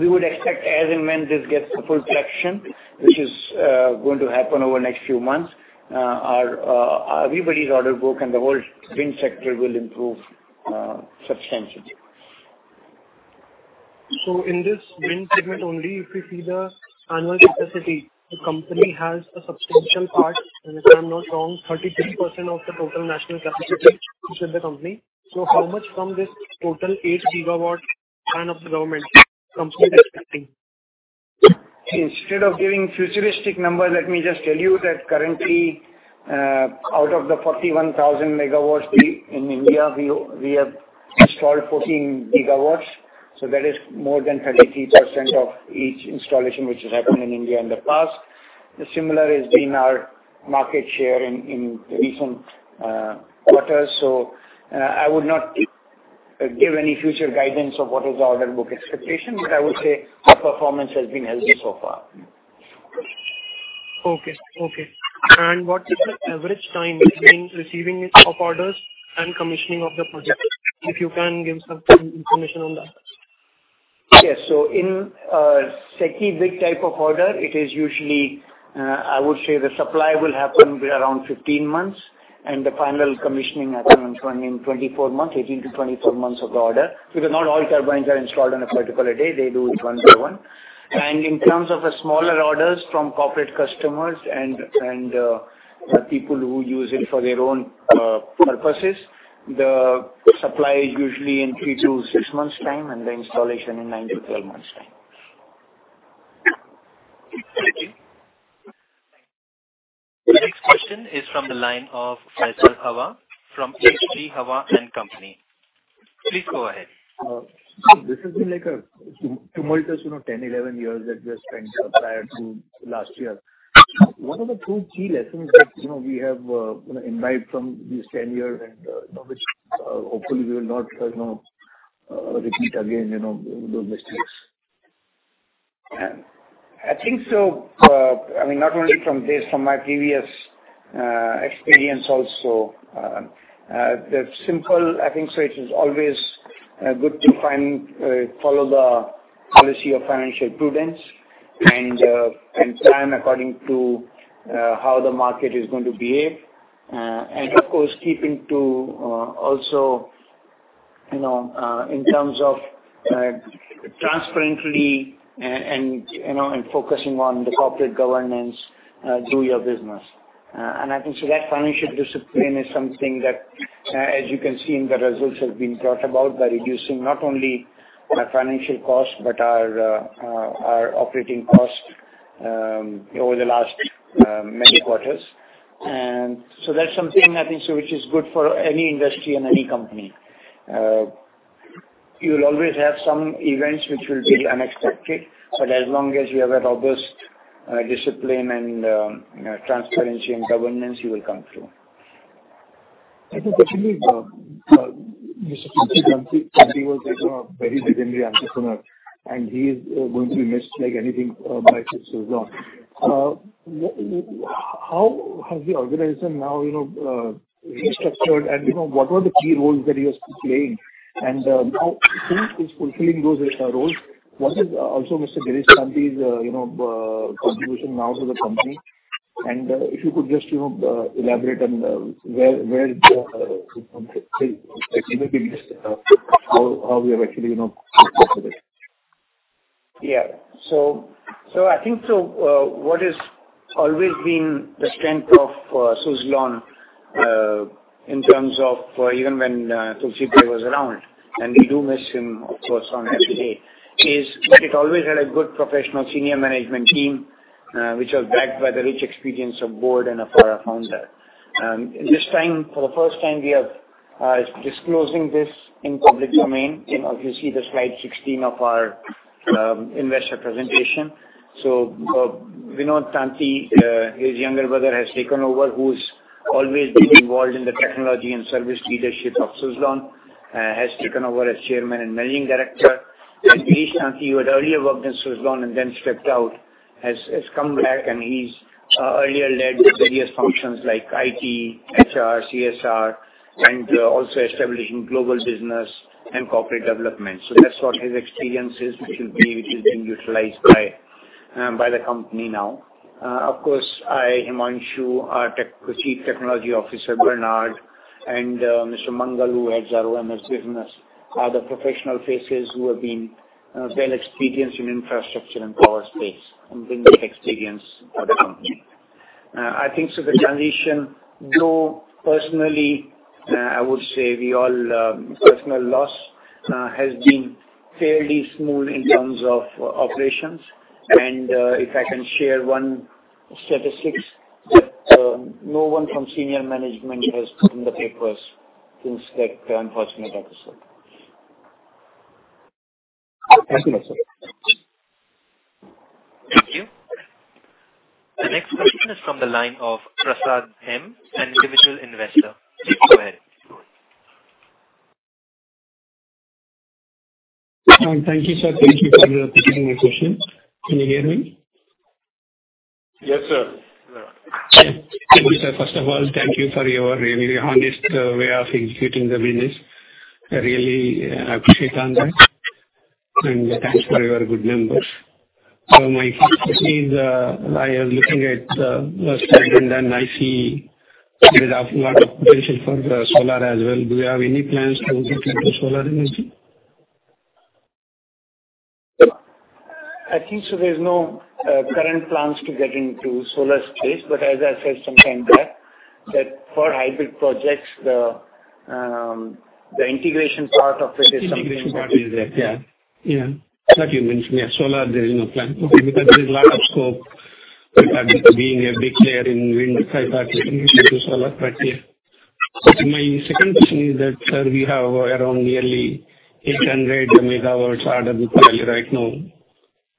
[SPEAKER 3] We would expect as and when this gets the full traction, which is going to happen over the next few months, our everybody's order book and the whole wind sector will improve substantially.
[SPEAKER 11] In this wind segment only, if you see the annual capacity, the company has a substantial part, and if I'm not wrong, 33% of the total national capacity is with the company. How much from this total 8 GW plan of the government company is expecting?
[SPEAKER 3] Instead of giving futuristic numbers, let me just tell you that currently, out of the 41,000 MW in India, we have installed 14 GW. That is more than 33% of each installation which has happened in India in the past. The similar has been our market share in the recent quarters. I would not give any future guidance of what is the order book expectation, but I would say our performance has been healthy so far.
[SPEAKER 11] Okay. Okay. What is the average time between receiving of orders and commissioning of the project? If you can give some information on that.
[SPEAKER 3] In SECI bid type of order, it is usually, I would say the supply will happen around 15 months, and the final commissioning happens within 24 months, 18-24 months of the order. Because not all turbines are installed on a particular day, they do it one by one. In terms of the smaller orders from corporate customers and people who use it for their own purposes, the supply is usually in 3-6 months' time and the installation in 9-12 months' time.
[SPEAKER 11] Thank you.
[SPEAKER 1] The next question is from the line of Faisal Hawa from H.G. Hawa & Co. Please go ahead.
[SPEAKER 12] This has been like a tumultuous, you know, 10, 11 years that we have spent prior to last year. What are the two key lessons that, you know, we have, you know, imbibed from these 10 years and, you know, which, hopefully we will not, you know, repeat again, you know, those mistakes?
[SPEAKER 3] I think so, I mean, not only from this, from my previous experience also, the simple I think so it is always good to find, follow the policy of financial prudence and plan according to how the market is going to behave. Of course, keeping to, also, you know, in terms of, transparently and, you know, and focusing on the corporate governance, do your business. I think so that financial discipline is something that, as you can see in the results, have been brought about by reducing not only our financial costs, but our operating costs, over the last many quarters. That's something I think so which is good for any industry and any company. You'll always have some events which will be unexpected, but as long as you have a robust discipline and, you know, transparency in governance, you will come through.
[SPEAKER 12] Thank you. Fortunately, Mr. Tulsi Tanti was like a very legendary entrepreneur, and he is going to be missed like anything by Suzlon. How has the organization now, you know, restructured and, you know, what were the key roles that he was playing? Who is fulfilling those roles? What is also Mr. Girish Tanti's, you know, contribution now to the company? If you could just, you know, elaborate on where the, you know, give a bit list of how we have actually, you know, proceeded.
[SPEAKER 3] I think so, it's always been the strength of Suzlon, in terms of even when Tulsi Tanti was around, and we do miss him, of course, on every day, is that it always had a good professional senior management team, which was backed by the rich experience of board and of our founder. This time, for the first time, we are disclosing this in public domain. You know, if you see the slide 16 of our investor presentation. Vinod Tanti, his younger brother, has taken over, who's always been involved in the technology and service leadership of Suzlon, has taken over as Chairman and Managing Director. Girish Tanti, who had earlier worked in Suzlon and then stepped out, has come back, and he's earlier led various functions like IT, HR, CSR, and also establishing global business and corporate development. That's what his experience is, which is being utilized by the company now. Of course, I, Himanshu, our Chief Technology Officer, Bernard, and Mr. Mangal, who heads our OMS business, are the professional faces who have been well experienced in infrastructure and power space and bring that experience to the company. I think so the transition, though personally, I would say we all personal loss, has been fairly smooth in terms of operations. If I can share one statistics that no one from senior management has put in the papers since that unfortunate episode.
[SPEAKER 12] Thank you, sir.
[SPEAKER 1] Thank you. The next question is from the line of Prasad M, an individual investor. Please go ahead.
[SPEAKER 13] Thank you, sir. Thank you for repeating my question. Can you hear me?
[SPEAKER 3] Yes, sir.
[SPEAKER 13] Thank you, sir. First of all, thank you for your really honest, way of executing the business. I really appreciate on that, and thanks for your good numbers. My first question is, I am looking at, your statement, and I see there is a lot of potential for the solar as well. Do you have any plans to get into solar energy?
[SPEAKER 3] Akit, there is no current plans to get into solar space, but as I said sometime back that for hybrid projects, the integration part of it is.
[SPEAKER 13] Integration part is there. Yeah. Yeah. Like you mentioned, yeah, solar, there is no plan. Okay. Because there is a lot of scope regarding to being a big player in wind hybrid solution to solar. Yeah. My second question is that, sir, we have around nearly 800 MW order book value right now.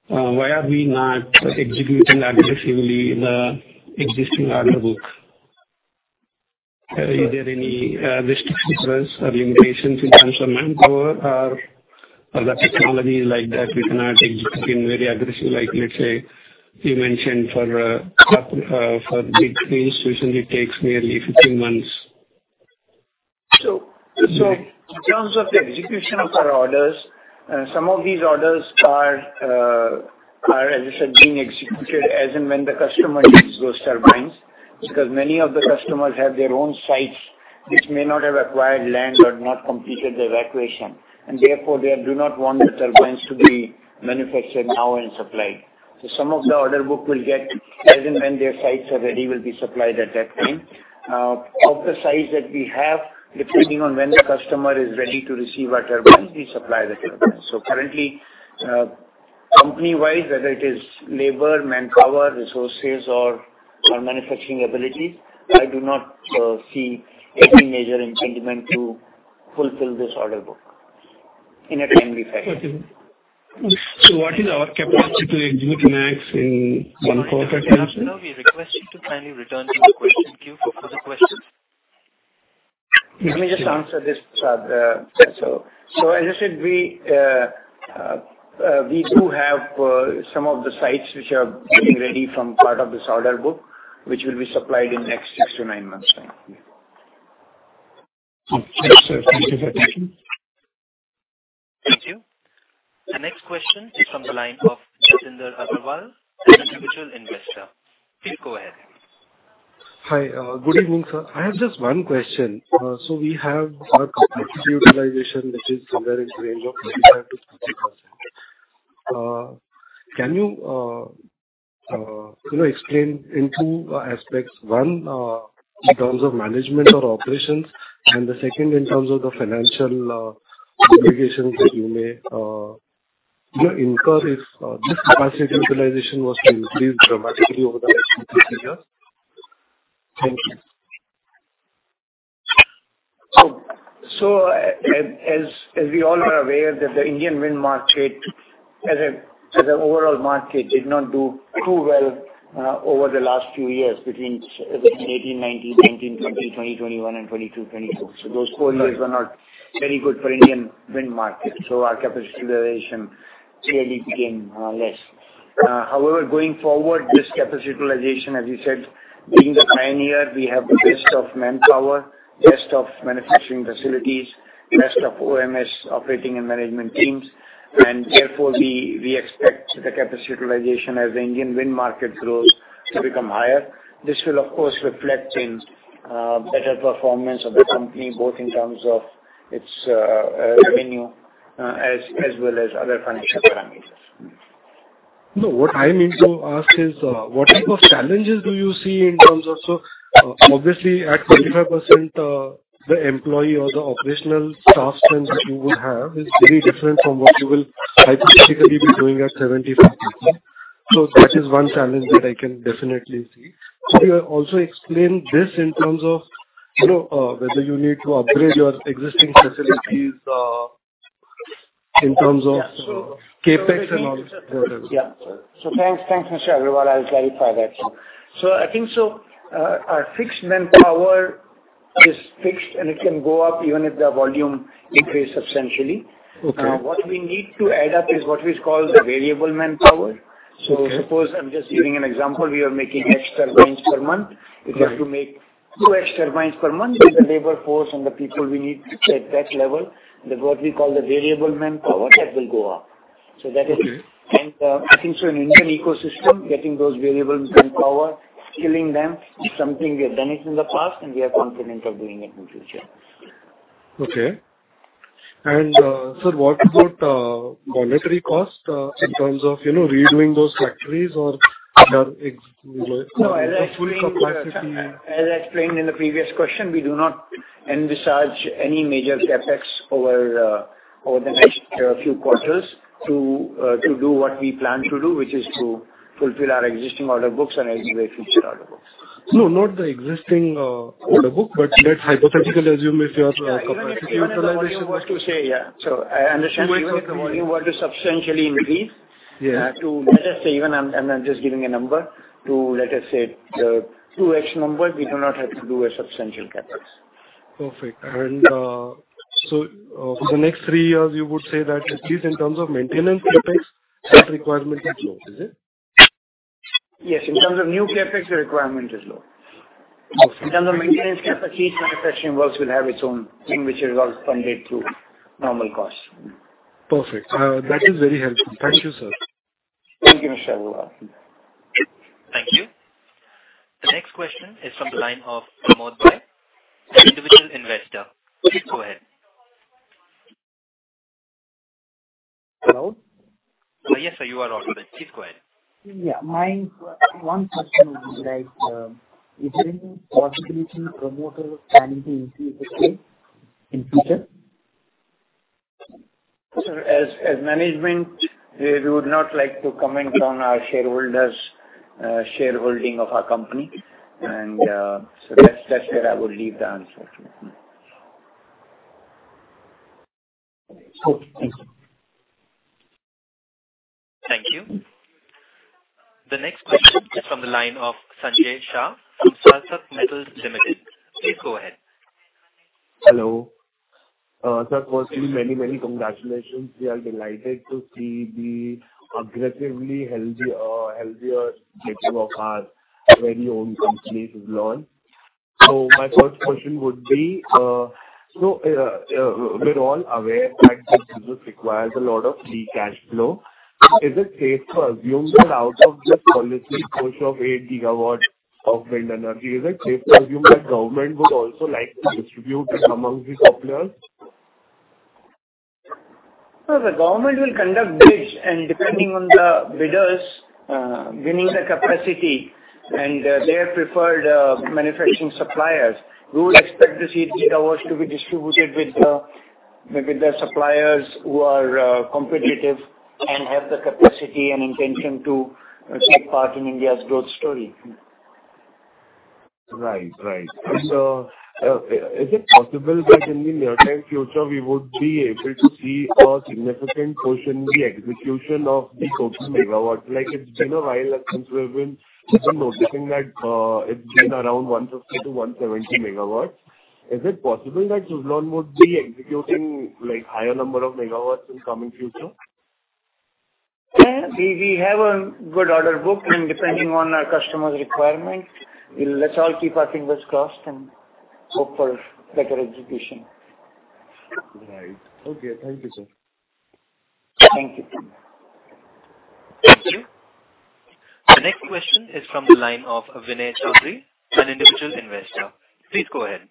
[SPEAKER 13] Why are we not executing aggressively the existing order book? Is there any restrictions or limitations in terms of manpower or the technology like that we cannot execute very aggressive like, let's say, you mentioned for big deals recently takes nearly 15 months?
[SPEAKER 3] In terms of the execution of our orders, some of these orders are, as I said, being executed as and when the customer needs those turbines. Because many of the customers have their own sites which may not have acquired land or not completed the evacuation. Therefore, they do not want the turbines to be manufactured now and supplied. Some of the order book will get as and when their sites are ready, will be supplied at that time. Of the size that we have, depending on when the customer is ready to receive our turbines, we supply the turbines. Currently, company-wise, whether it is labor, manpower, resources or manufacturing abilities, I do not see any major impediment to fulfill this order book in a timely fashion.
[SPEAKER 13] Okay. What is our capacity to execute max in one quarter?
[SPEAKER 1] Sir, I think our time is up now. We request you to kindly return to the question queue for other questions.
[SPEAKER 3] Let me just answer this, sir. As I said, we do have some of the sites which are getting ready from part of this order book, which will be supplied in next 6 to 9 months time. Yeah.
[SPEAKER 13] Okay. Thanks, sir. Thanks for your attention.
[SPEAKER 1] Thank you. The next question is from the line of Jasinder Agarwal, an individual investor. Please go ahead.
[SPEAKER 14] Hi. Good evening, sir. I have just one question. We have our capacity utilization, which is somewhere in the range of 55%-60%. Can you know, explain in two aspects. One, in terms of management or operations, and the second in terms of the financial obligations that you may, you know, incur if this capacity utilization was to increase dramatically over the next three to five years. Thank you.
[SPEAKER 3] As we all are aware that the Indian wind market as an overall market did not do too well over the last few years between 18, 19, 20, 2021 and 2022, 2024. Those four years were not very good for Indian wind market, so our capacity utilization clearly became less. However, going forward, this capacity utilization, as you said, being the pioneer, we have the best of manpower, best of manufacturing facilities, best of OMS operating and management teams, and therefore we expect the capacity utilization as the Indian wind market grows to become higher. This will of course reflect in better performance of the company, both in terms of its revenue as well as other financial parameters.
[SPEAKER 14] What I mean to ask is what type of challenges do you see in terms of... Obviously at 25%, the employee or the operational staff strength that you would have is very different from what you will hypothetically be doing at 75%. That is one challenge that I can definitely see. Could you also explain this in terms of, you know, whether you need to upgrade your existing facilities, in terms of...
[SPEAKER 3] Yeah.
[SPEAKER 14] -CapEx and all that.
[SPEAKER 3] Yeah. Thanks, Mr. Agarwal. I'll clarify that, sir. I think our fixed manpower is fixed, and it can go up even if the volume increase substantially.
[SPEAKER 14] Okay.
[SPEAKER 3] What we need to add up is what is called the variable manpower.
[SPEAKER 14] Okay.
[SPEAKER 3] Suppose, I'm just giving an example, we are making extra turbines per month.
[SPEAKER 14] Right.
[SPEAKER 3] If we have to make two extra turbines per month, with the labor force and the people we need to set that level, that what we call the variable manpower, that will go up.
[SPEAKER 14] Okay.
[SPEAKER 3] I think so in Indian ecosystem, getting those variables manpower, scaling them is something we have done it in the past, and we are confident of doing it in future.
[SPEAKER 14] Okay. Sir, what about monetary cost in terms of, you know, redoing those factories or their you know, their full capacity?
[SPEAKER 3] No, as I explained in the previous question, we do not envisage any major CapEx over the next few quarters to do what we plan to do, which is to fulfill our existing order books and execute future order books.
[SPEAKER 14] No, not the existing, order book, but let's hypothetically assume if your, capacity utilization...
[SPEAKER 3] Yeah, even if the volume were to say, yeah.
[SPEAKER 14] You were saying the volume-
[SPEAKER 3] even if the volume were to substantially increase
[SPEAKER 14] Yeah.
[SPEAKER 3] To, let us say, even I'm just giving a number, to, let us say, 2x number, we do not have to do a substantial CapEx.
[SPEAKER 14] Perfect. For the next three years, you would say that at least in terms of maintenance CapEx, that requirement is low, is it?
[SPEAKER 3] Yes. In terms of new CapEx, the requirement is low.
[SPEAKER 14] Okay.
[SPEAKER 3] In terms of maintenance CapEx, each manufacturing works will have its own thing which is all funded through normal costs.
[SPEAKER 14] Perfect. That is very helpful. Thank you, sir.
[SPEAKER 3] Thank you, Mr. Agrawal.
[SPEAKER 1] Thank you. The next question is from the line of Pramod Rai, an individual investor. Please go ahead.
[SPEAKER 15] Hello.
[SPEAKER 1] Yes, sir. You are audible. Please go ahead.
[SPEAKER 15] Yeah. My one question would be like, is there any possibility promoter planning to increase the stake in future?
[SPEAKER 3] Sir, as management, we would not like to comment on our shareholders' shareholding of our company. So that's where I would leave the answer to.
[SPEAKER 15] Okay. Thank you.
[SPEAKER 1] Thank you. The next question is from the line of Sanjay Shah from Sarasak Metals Limited. Please go ahead.
[SPEAKER 16] Hello. Sir, firstly, many congratulations. We are delighted to see the aggressively healthy, healthier picture of our very own company, Suzlon. My first question would be, we're all aware that this business requires a lot of free cash flow. Is it safe to assume that out of this policy push of 8 GW of wind energy, is it safe to assume that government would also like to distribute it among the suppliers?
[SPEAKER 3] No, the government will conduct bids, and depending on the bidders winning the capacity and their preferred manufacturing suppliers, we would expect to see gigawatts to be distributed with the suppliers who are competitive and have the capacity and intention to take part in India's growth story.
[SPEAKER 16] Right. Right. Is it possible that in the near term future, we would be able to see a significant portion, the execution of the total megawatts? Like, it's been a while that since we have been noticing that it's been around 150 MW to 170 MW. Is it possible that Suzlon would be executing, like, higher number of megawatts in coming future?
[SPEAKER 3] Yeah. We have a good order book, and depending on our customers' requirement, we'll let's all keep our fingers crossed and hope for better execution.
[SPEAKER 16] Right. Okay. Thank you, sir.
[SPEAKER 3] Thank you.
[SPEAKER 1] Thank you. The next question is from the line of Vinay Chaudhary, an individual investor. Please go ahead.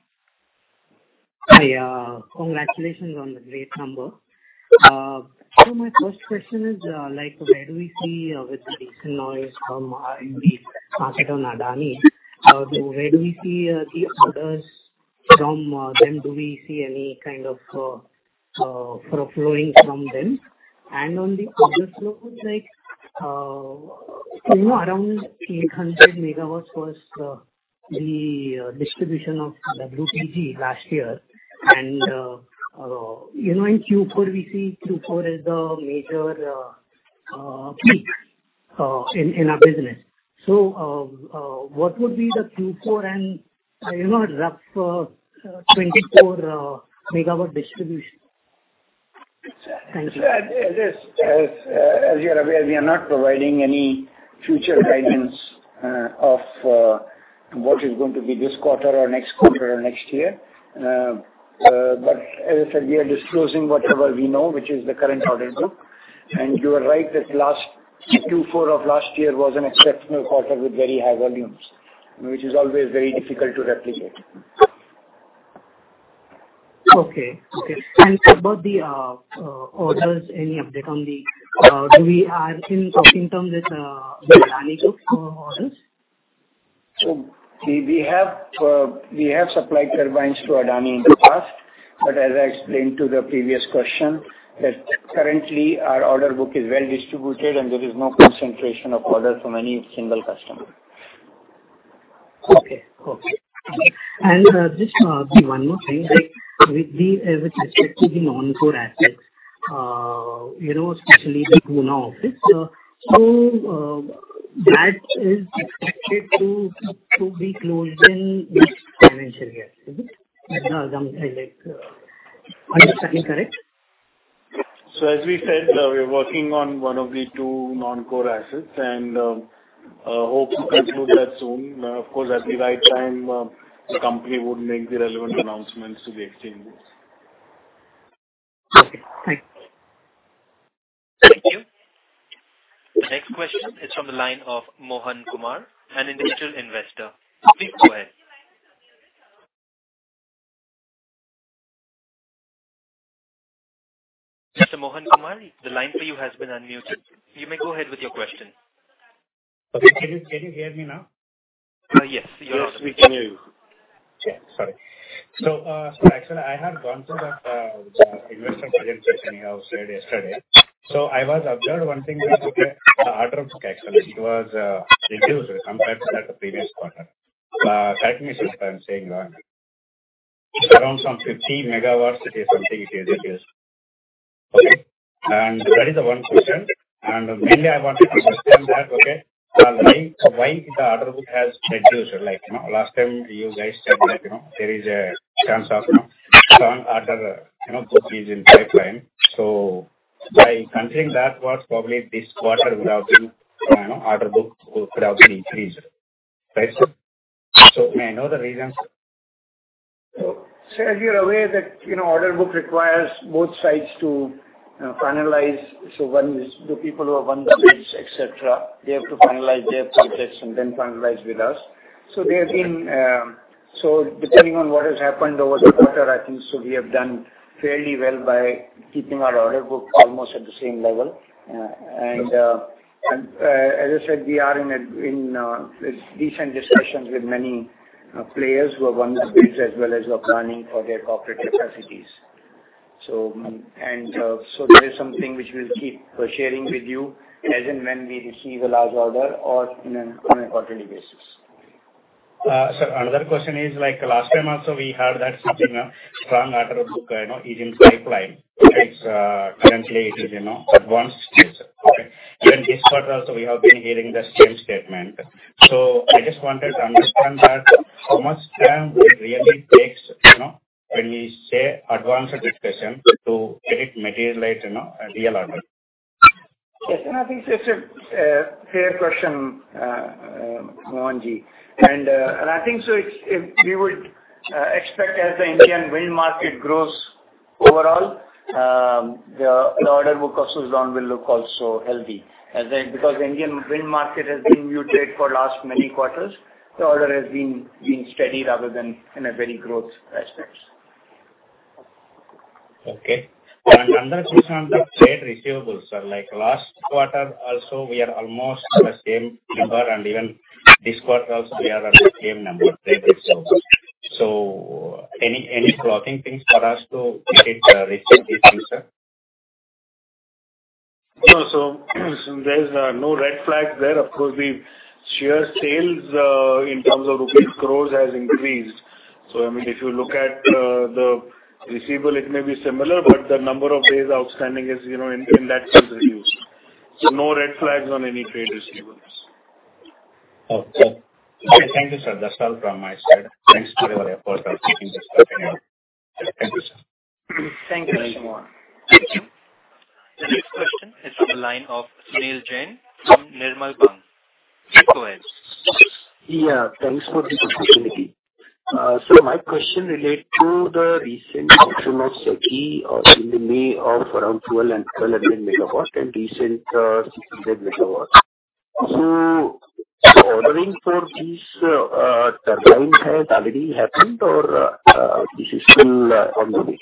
[SPEAKER 17] Hi. Congratulations on the great number. My first question is, like, where do we see, with the recent noise from the market on Adani, where do we see the orders from them? Do we see any kind of flowing from them? On the order flow, like, you know, around 800 MW was the distribution of the WTG last year. In Q4, we see Q4 as the major peak in our business. What would be the Q4 and, you know, rough, 24 MW distribution? Thank you.
[SPEAKER 3] Sir, as you're aware, we are not providing any future guidance of what is going to be this quarter or next quarter or next year. But as I said, we are disclosing whatever we know, which is the current order book. You are right that last Q4 of last year was an exceptional quarter with very high volumes. Which is always very difficult to replicate.
[SPEAKER 17] Okay. Okay. About the orders, any update on the do we are in talking terms with the Adani Group for orders?
[SPEAKER 3] We have supplied turbines to Adani in the past, but as I explained to the previous question that currently our order book is well distributed and there is no concentration of orders from any single customer.
[SPEAKER 17] Okay. Okay. Just one more thing. Like, with the with respect to the non-core assets, you know, especially the Pune office, so, that is expected to be closed in this financial year. Is it? As my assumption, like, Am I understanding correct?
[SPEAKER 4] As we said, we are working on one of the two non-core assets and hope to conclude that soon. Of course, at the right time, the company would make the relevant announcements to the exchanges.
[SPEAKER 17] Okay. Thanks.
[SPEAKER 1] Thank you. The next question is from the line of Mohan Kumar, an individual investor. Please go ahead. Mr. Mohan Kumar, the line for you has been unmuted. You may go ahead with your question.
[SPEAKER 18] Okay. Can you hear me now?
[SPEAKER 1] Yes.
[SPEAKER 4] Yes, we can hear you.
[SPEAKER 18] Sorry. Actually I had gone through that the investment presentation you have said yesterday. I was observed one thing that the order book actually it was reduced compared to that the previous quarter. Correct me if I'm saying wrong. Around some 50 MW it is something it is reduced. Okay? That is the one question. Mainly I wanted to understand that, okay, why the order book has reduced? Like, you know, last time you guys said that, you know, there is a chance of, you know, strong order, you know, book is in pipeline. By considering that was probably this quarter would have been, you know, order book could have been increased. Right, sir? May I know the reasons?
[SPEAKER 3] As you're aware that, you know, order book requires both sides to finalize. One is the people who have won the bids, et cetera, they have to finalize their projects and then finalize with us. They have been, depending on what has happened over the quarter, I think so we have done fairly well by keeping our order book almost at the same level. As I said, we are in a, in recent discussions with many players who have won the bids as well as are planning for their corporate capacities. That is something which we'll keep sharing with you as and when we receive a large order or in an, on a quarterly basis.
[SPEAKER 18] Sir, another question is like last time also we heard that something strong order book, you know, is in pipeline. It's currently it is, you know, advanced stage. Even this quarter also we have been hearing the same statement. I just wanted to understand that how much time it really takes, you know, when we say advanced discussion to get it materialized, you know, a real order?
[SPEAKER 3] Yes. I think it's a fair question Mohan Ji. I think so if we would expect as the Indian wind market grows overall, the order book of Suzlon will look also healthy as in because the Indian wind market has been muted for last many quarters. The order has been being steady rather than in a very growth aspects.
[SPEAKER 18] Okay. Another question on the trade receivables, sir. Like last quarter also we are almost the same number and even this quarter also we are at the same number trade receivables. Any clogging things for us to get receivables, sir?
[SPEAKER 4] No. There is no red flags there. Of course, the sheer sales in terms of rupees crores has increased. I mean, if you look at the receivable it may be similar, but the number of days outstanding is, you know, in that sense reduced. No red flags on any trade receivables.
[SPEAKER 18] Okay. Thank you, sir. That's all from my side. Thanks for your effort of taking this call. Thank you, sir.
[SPEAKER 3] Thank you, Mohan.
[SPEAKER 1] Thank you. The next question is from the line of Sunil Jain from Nirmal Bang. Please go ahead.
[SPEAKER 19] Yeah, thanks for the opportunity. My question relate to the recent auction of SECI of in the May of around 1,200 MW and recent 1,600 MW. Ordering for these turbines has already happened or this is still on the way?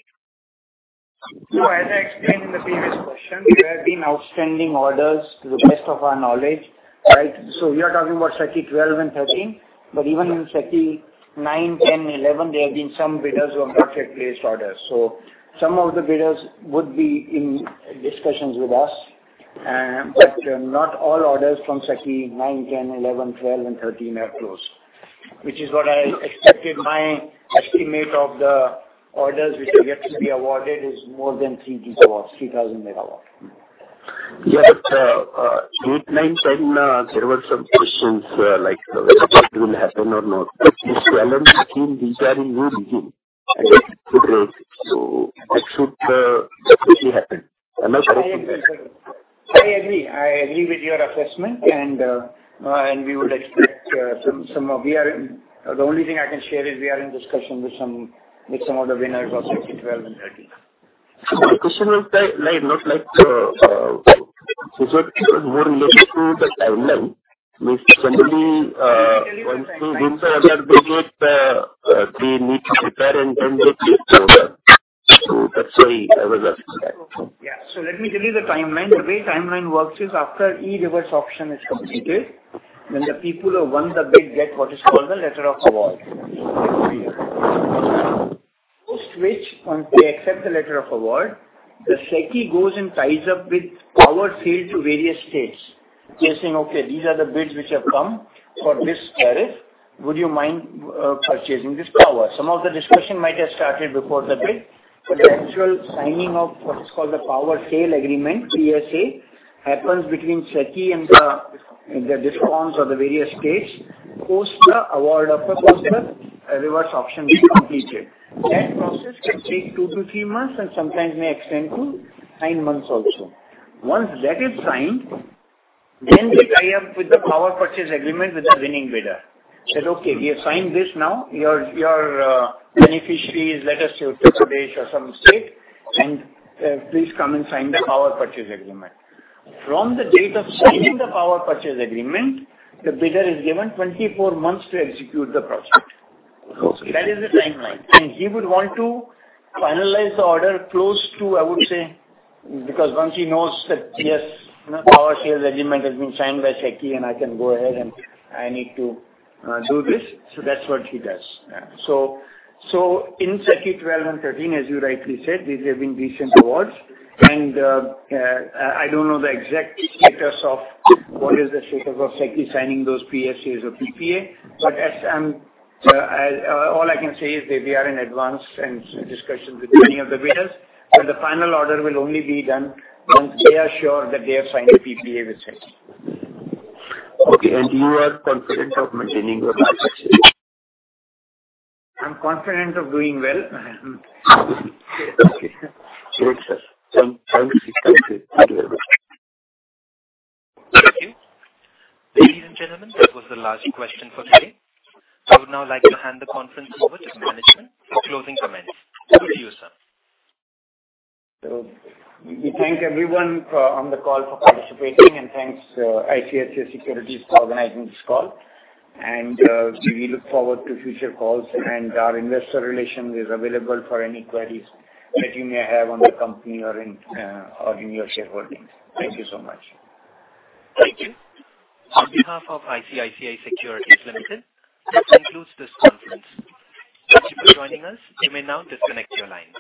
[SPEAKER 3] As I explained in the previous question, there have been outstanding orders to the best of our knowledge, right? We are talking about SECI 12 and 13, but even in SECI 9, 10, 11 there have been some bidders who have not yet placed orders. Some of the bidders would be in discussions with us, but not all orders from SECI 9, 10, 11, 12 and 13 have closed. Which is what I expected my estimate of the orders which are yet to be awarded is more than 3 GW, 3,000 MW.
[SPEAKER 19] Yeah. there were some questions, like whether it will happen or not. These 12 and 13 these are in new region. That should definitely happen. Am I right?
[SPEAKER 3] I agree. I agree with your assessment and we would expect, some of we are in. The only thing I can share is we are in discussion with some of the winners of SECI Tranche XII and XIII.
[SPEAKER 19] My question was like, not like, more related to the timeline. Means somebody wants to they get, they need to prepare and then get. That's why I was asking that.
[SPEAKER 3] Let me tell you the timeline. The way timeline works is after e-Reverse Auction is completed, then the people who won the bid get what is called a letter of award. Post which when they accept the letter of award, the SECI goes and ties up with Power Sale to various states. They're saying, "Okay, these are the bids which have come for this tariff. Would you mind purchasing this power?" Some of the discussion might have started before the bid, but the actual signing of what is called the Power Sale Agreement, PSA, happens between SECI and the DISCOMs of the various states post the reverse auction is completed. That process can take two to three months and sometimes may extend to 9 months also. Once that is signed, they tie up with the Power Purchase Agreement with the winning bidder. Say, okay, we have signed this now. Your beneficiary is, let us say, Chhattisgarh or some state, please come and sign the Power Purchase Agreement. From the date of signing the Power Purchase Agreement, the bidder is given 24 months to execute the project.
[SPEAKER 19] Okay.
[SPEAKER 3] That is the timeline. He would want to finalize the order close to, I would say... Once he knows that, yes, you know, Power Sale Agreement has been signed by SECI and I can go ahead and I need to do this, that's what he does. Yeah. In SECI 12 and 13, as you rightly said, these have been recent awards. I don't know the exact status of what is the status of SECI signing those PSAs or PPA, All I can say is that they are in advance and discussions with many of the bidders, the final order will only be done once they are sure that they have signed a PPA with SECI.
[SPEAKER 19] Okay. You are confident of maintaining your margin, sir?
[SPEAKER 3] I'm confident of doing well.
[SPEAKER 19] Okay. Great, sir. Sound, sounds exciting. Thank you very much.
[SPEAKER 1] Thank you. Ladies and gentlemen, that was the last question for today. I would now like to hand the conference over to management for closing comments. Over to you, sir.
[SPEAKER 3] We thank everyone for, on the call for participating, and thanks to ICICI Securities for organizing this call. We look forward to future calls, and our investor relation is available for any queries that you may have on the company or in, or in your shareholdings. Thank you so much.
[SPEAKER 1] Thank you. On behalf of ICICI Securities Limited, this concludes this conference. Thank you for joining us. You may now disconnect your lines.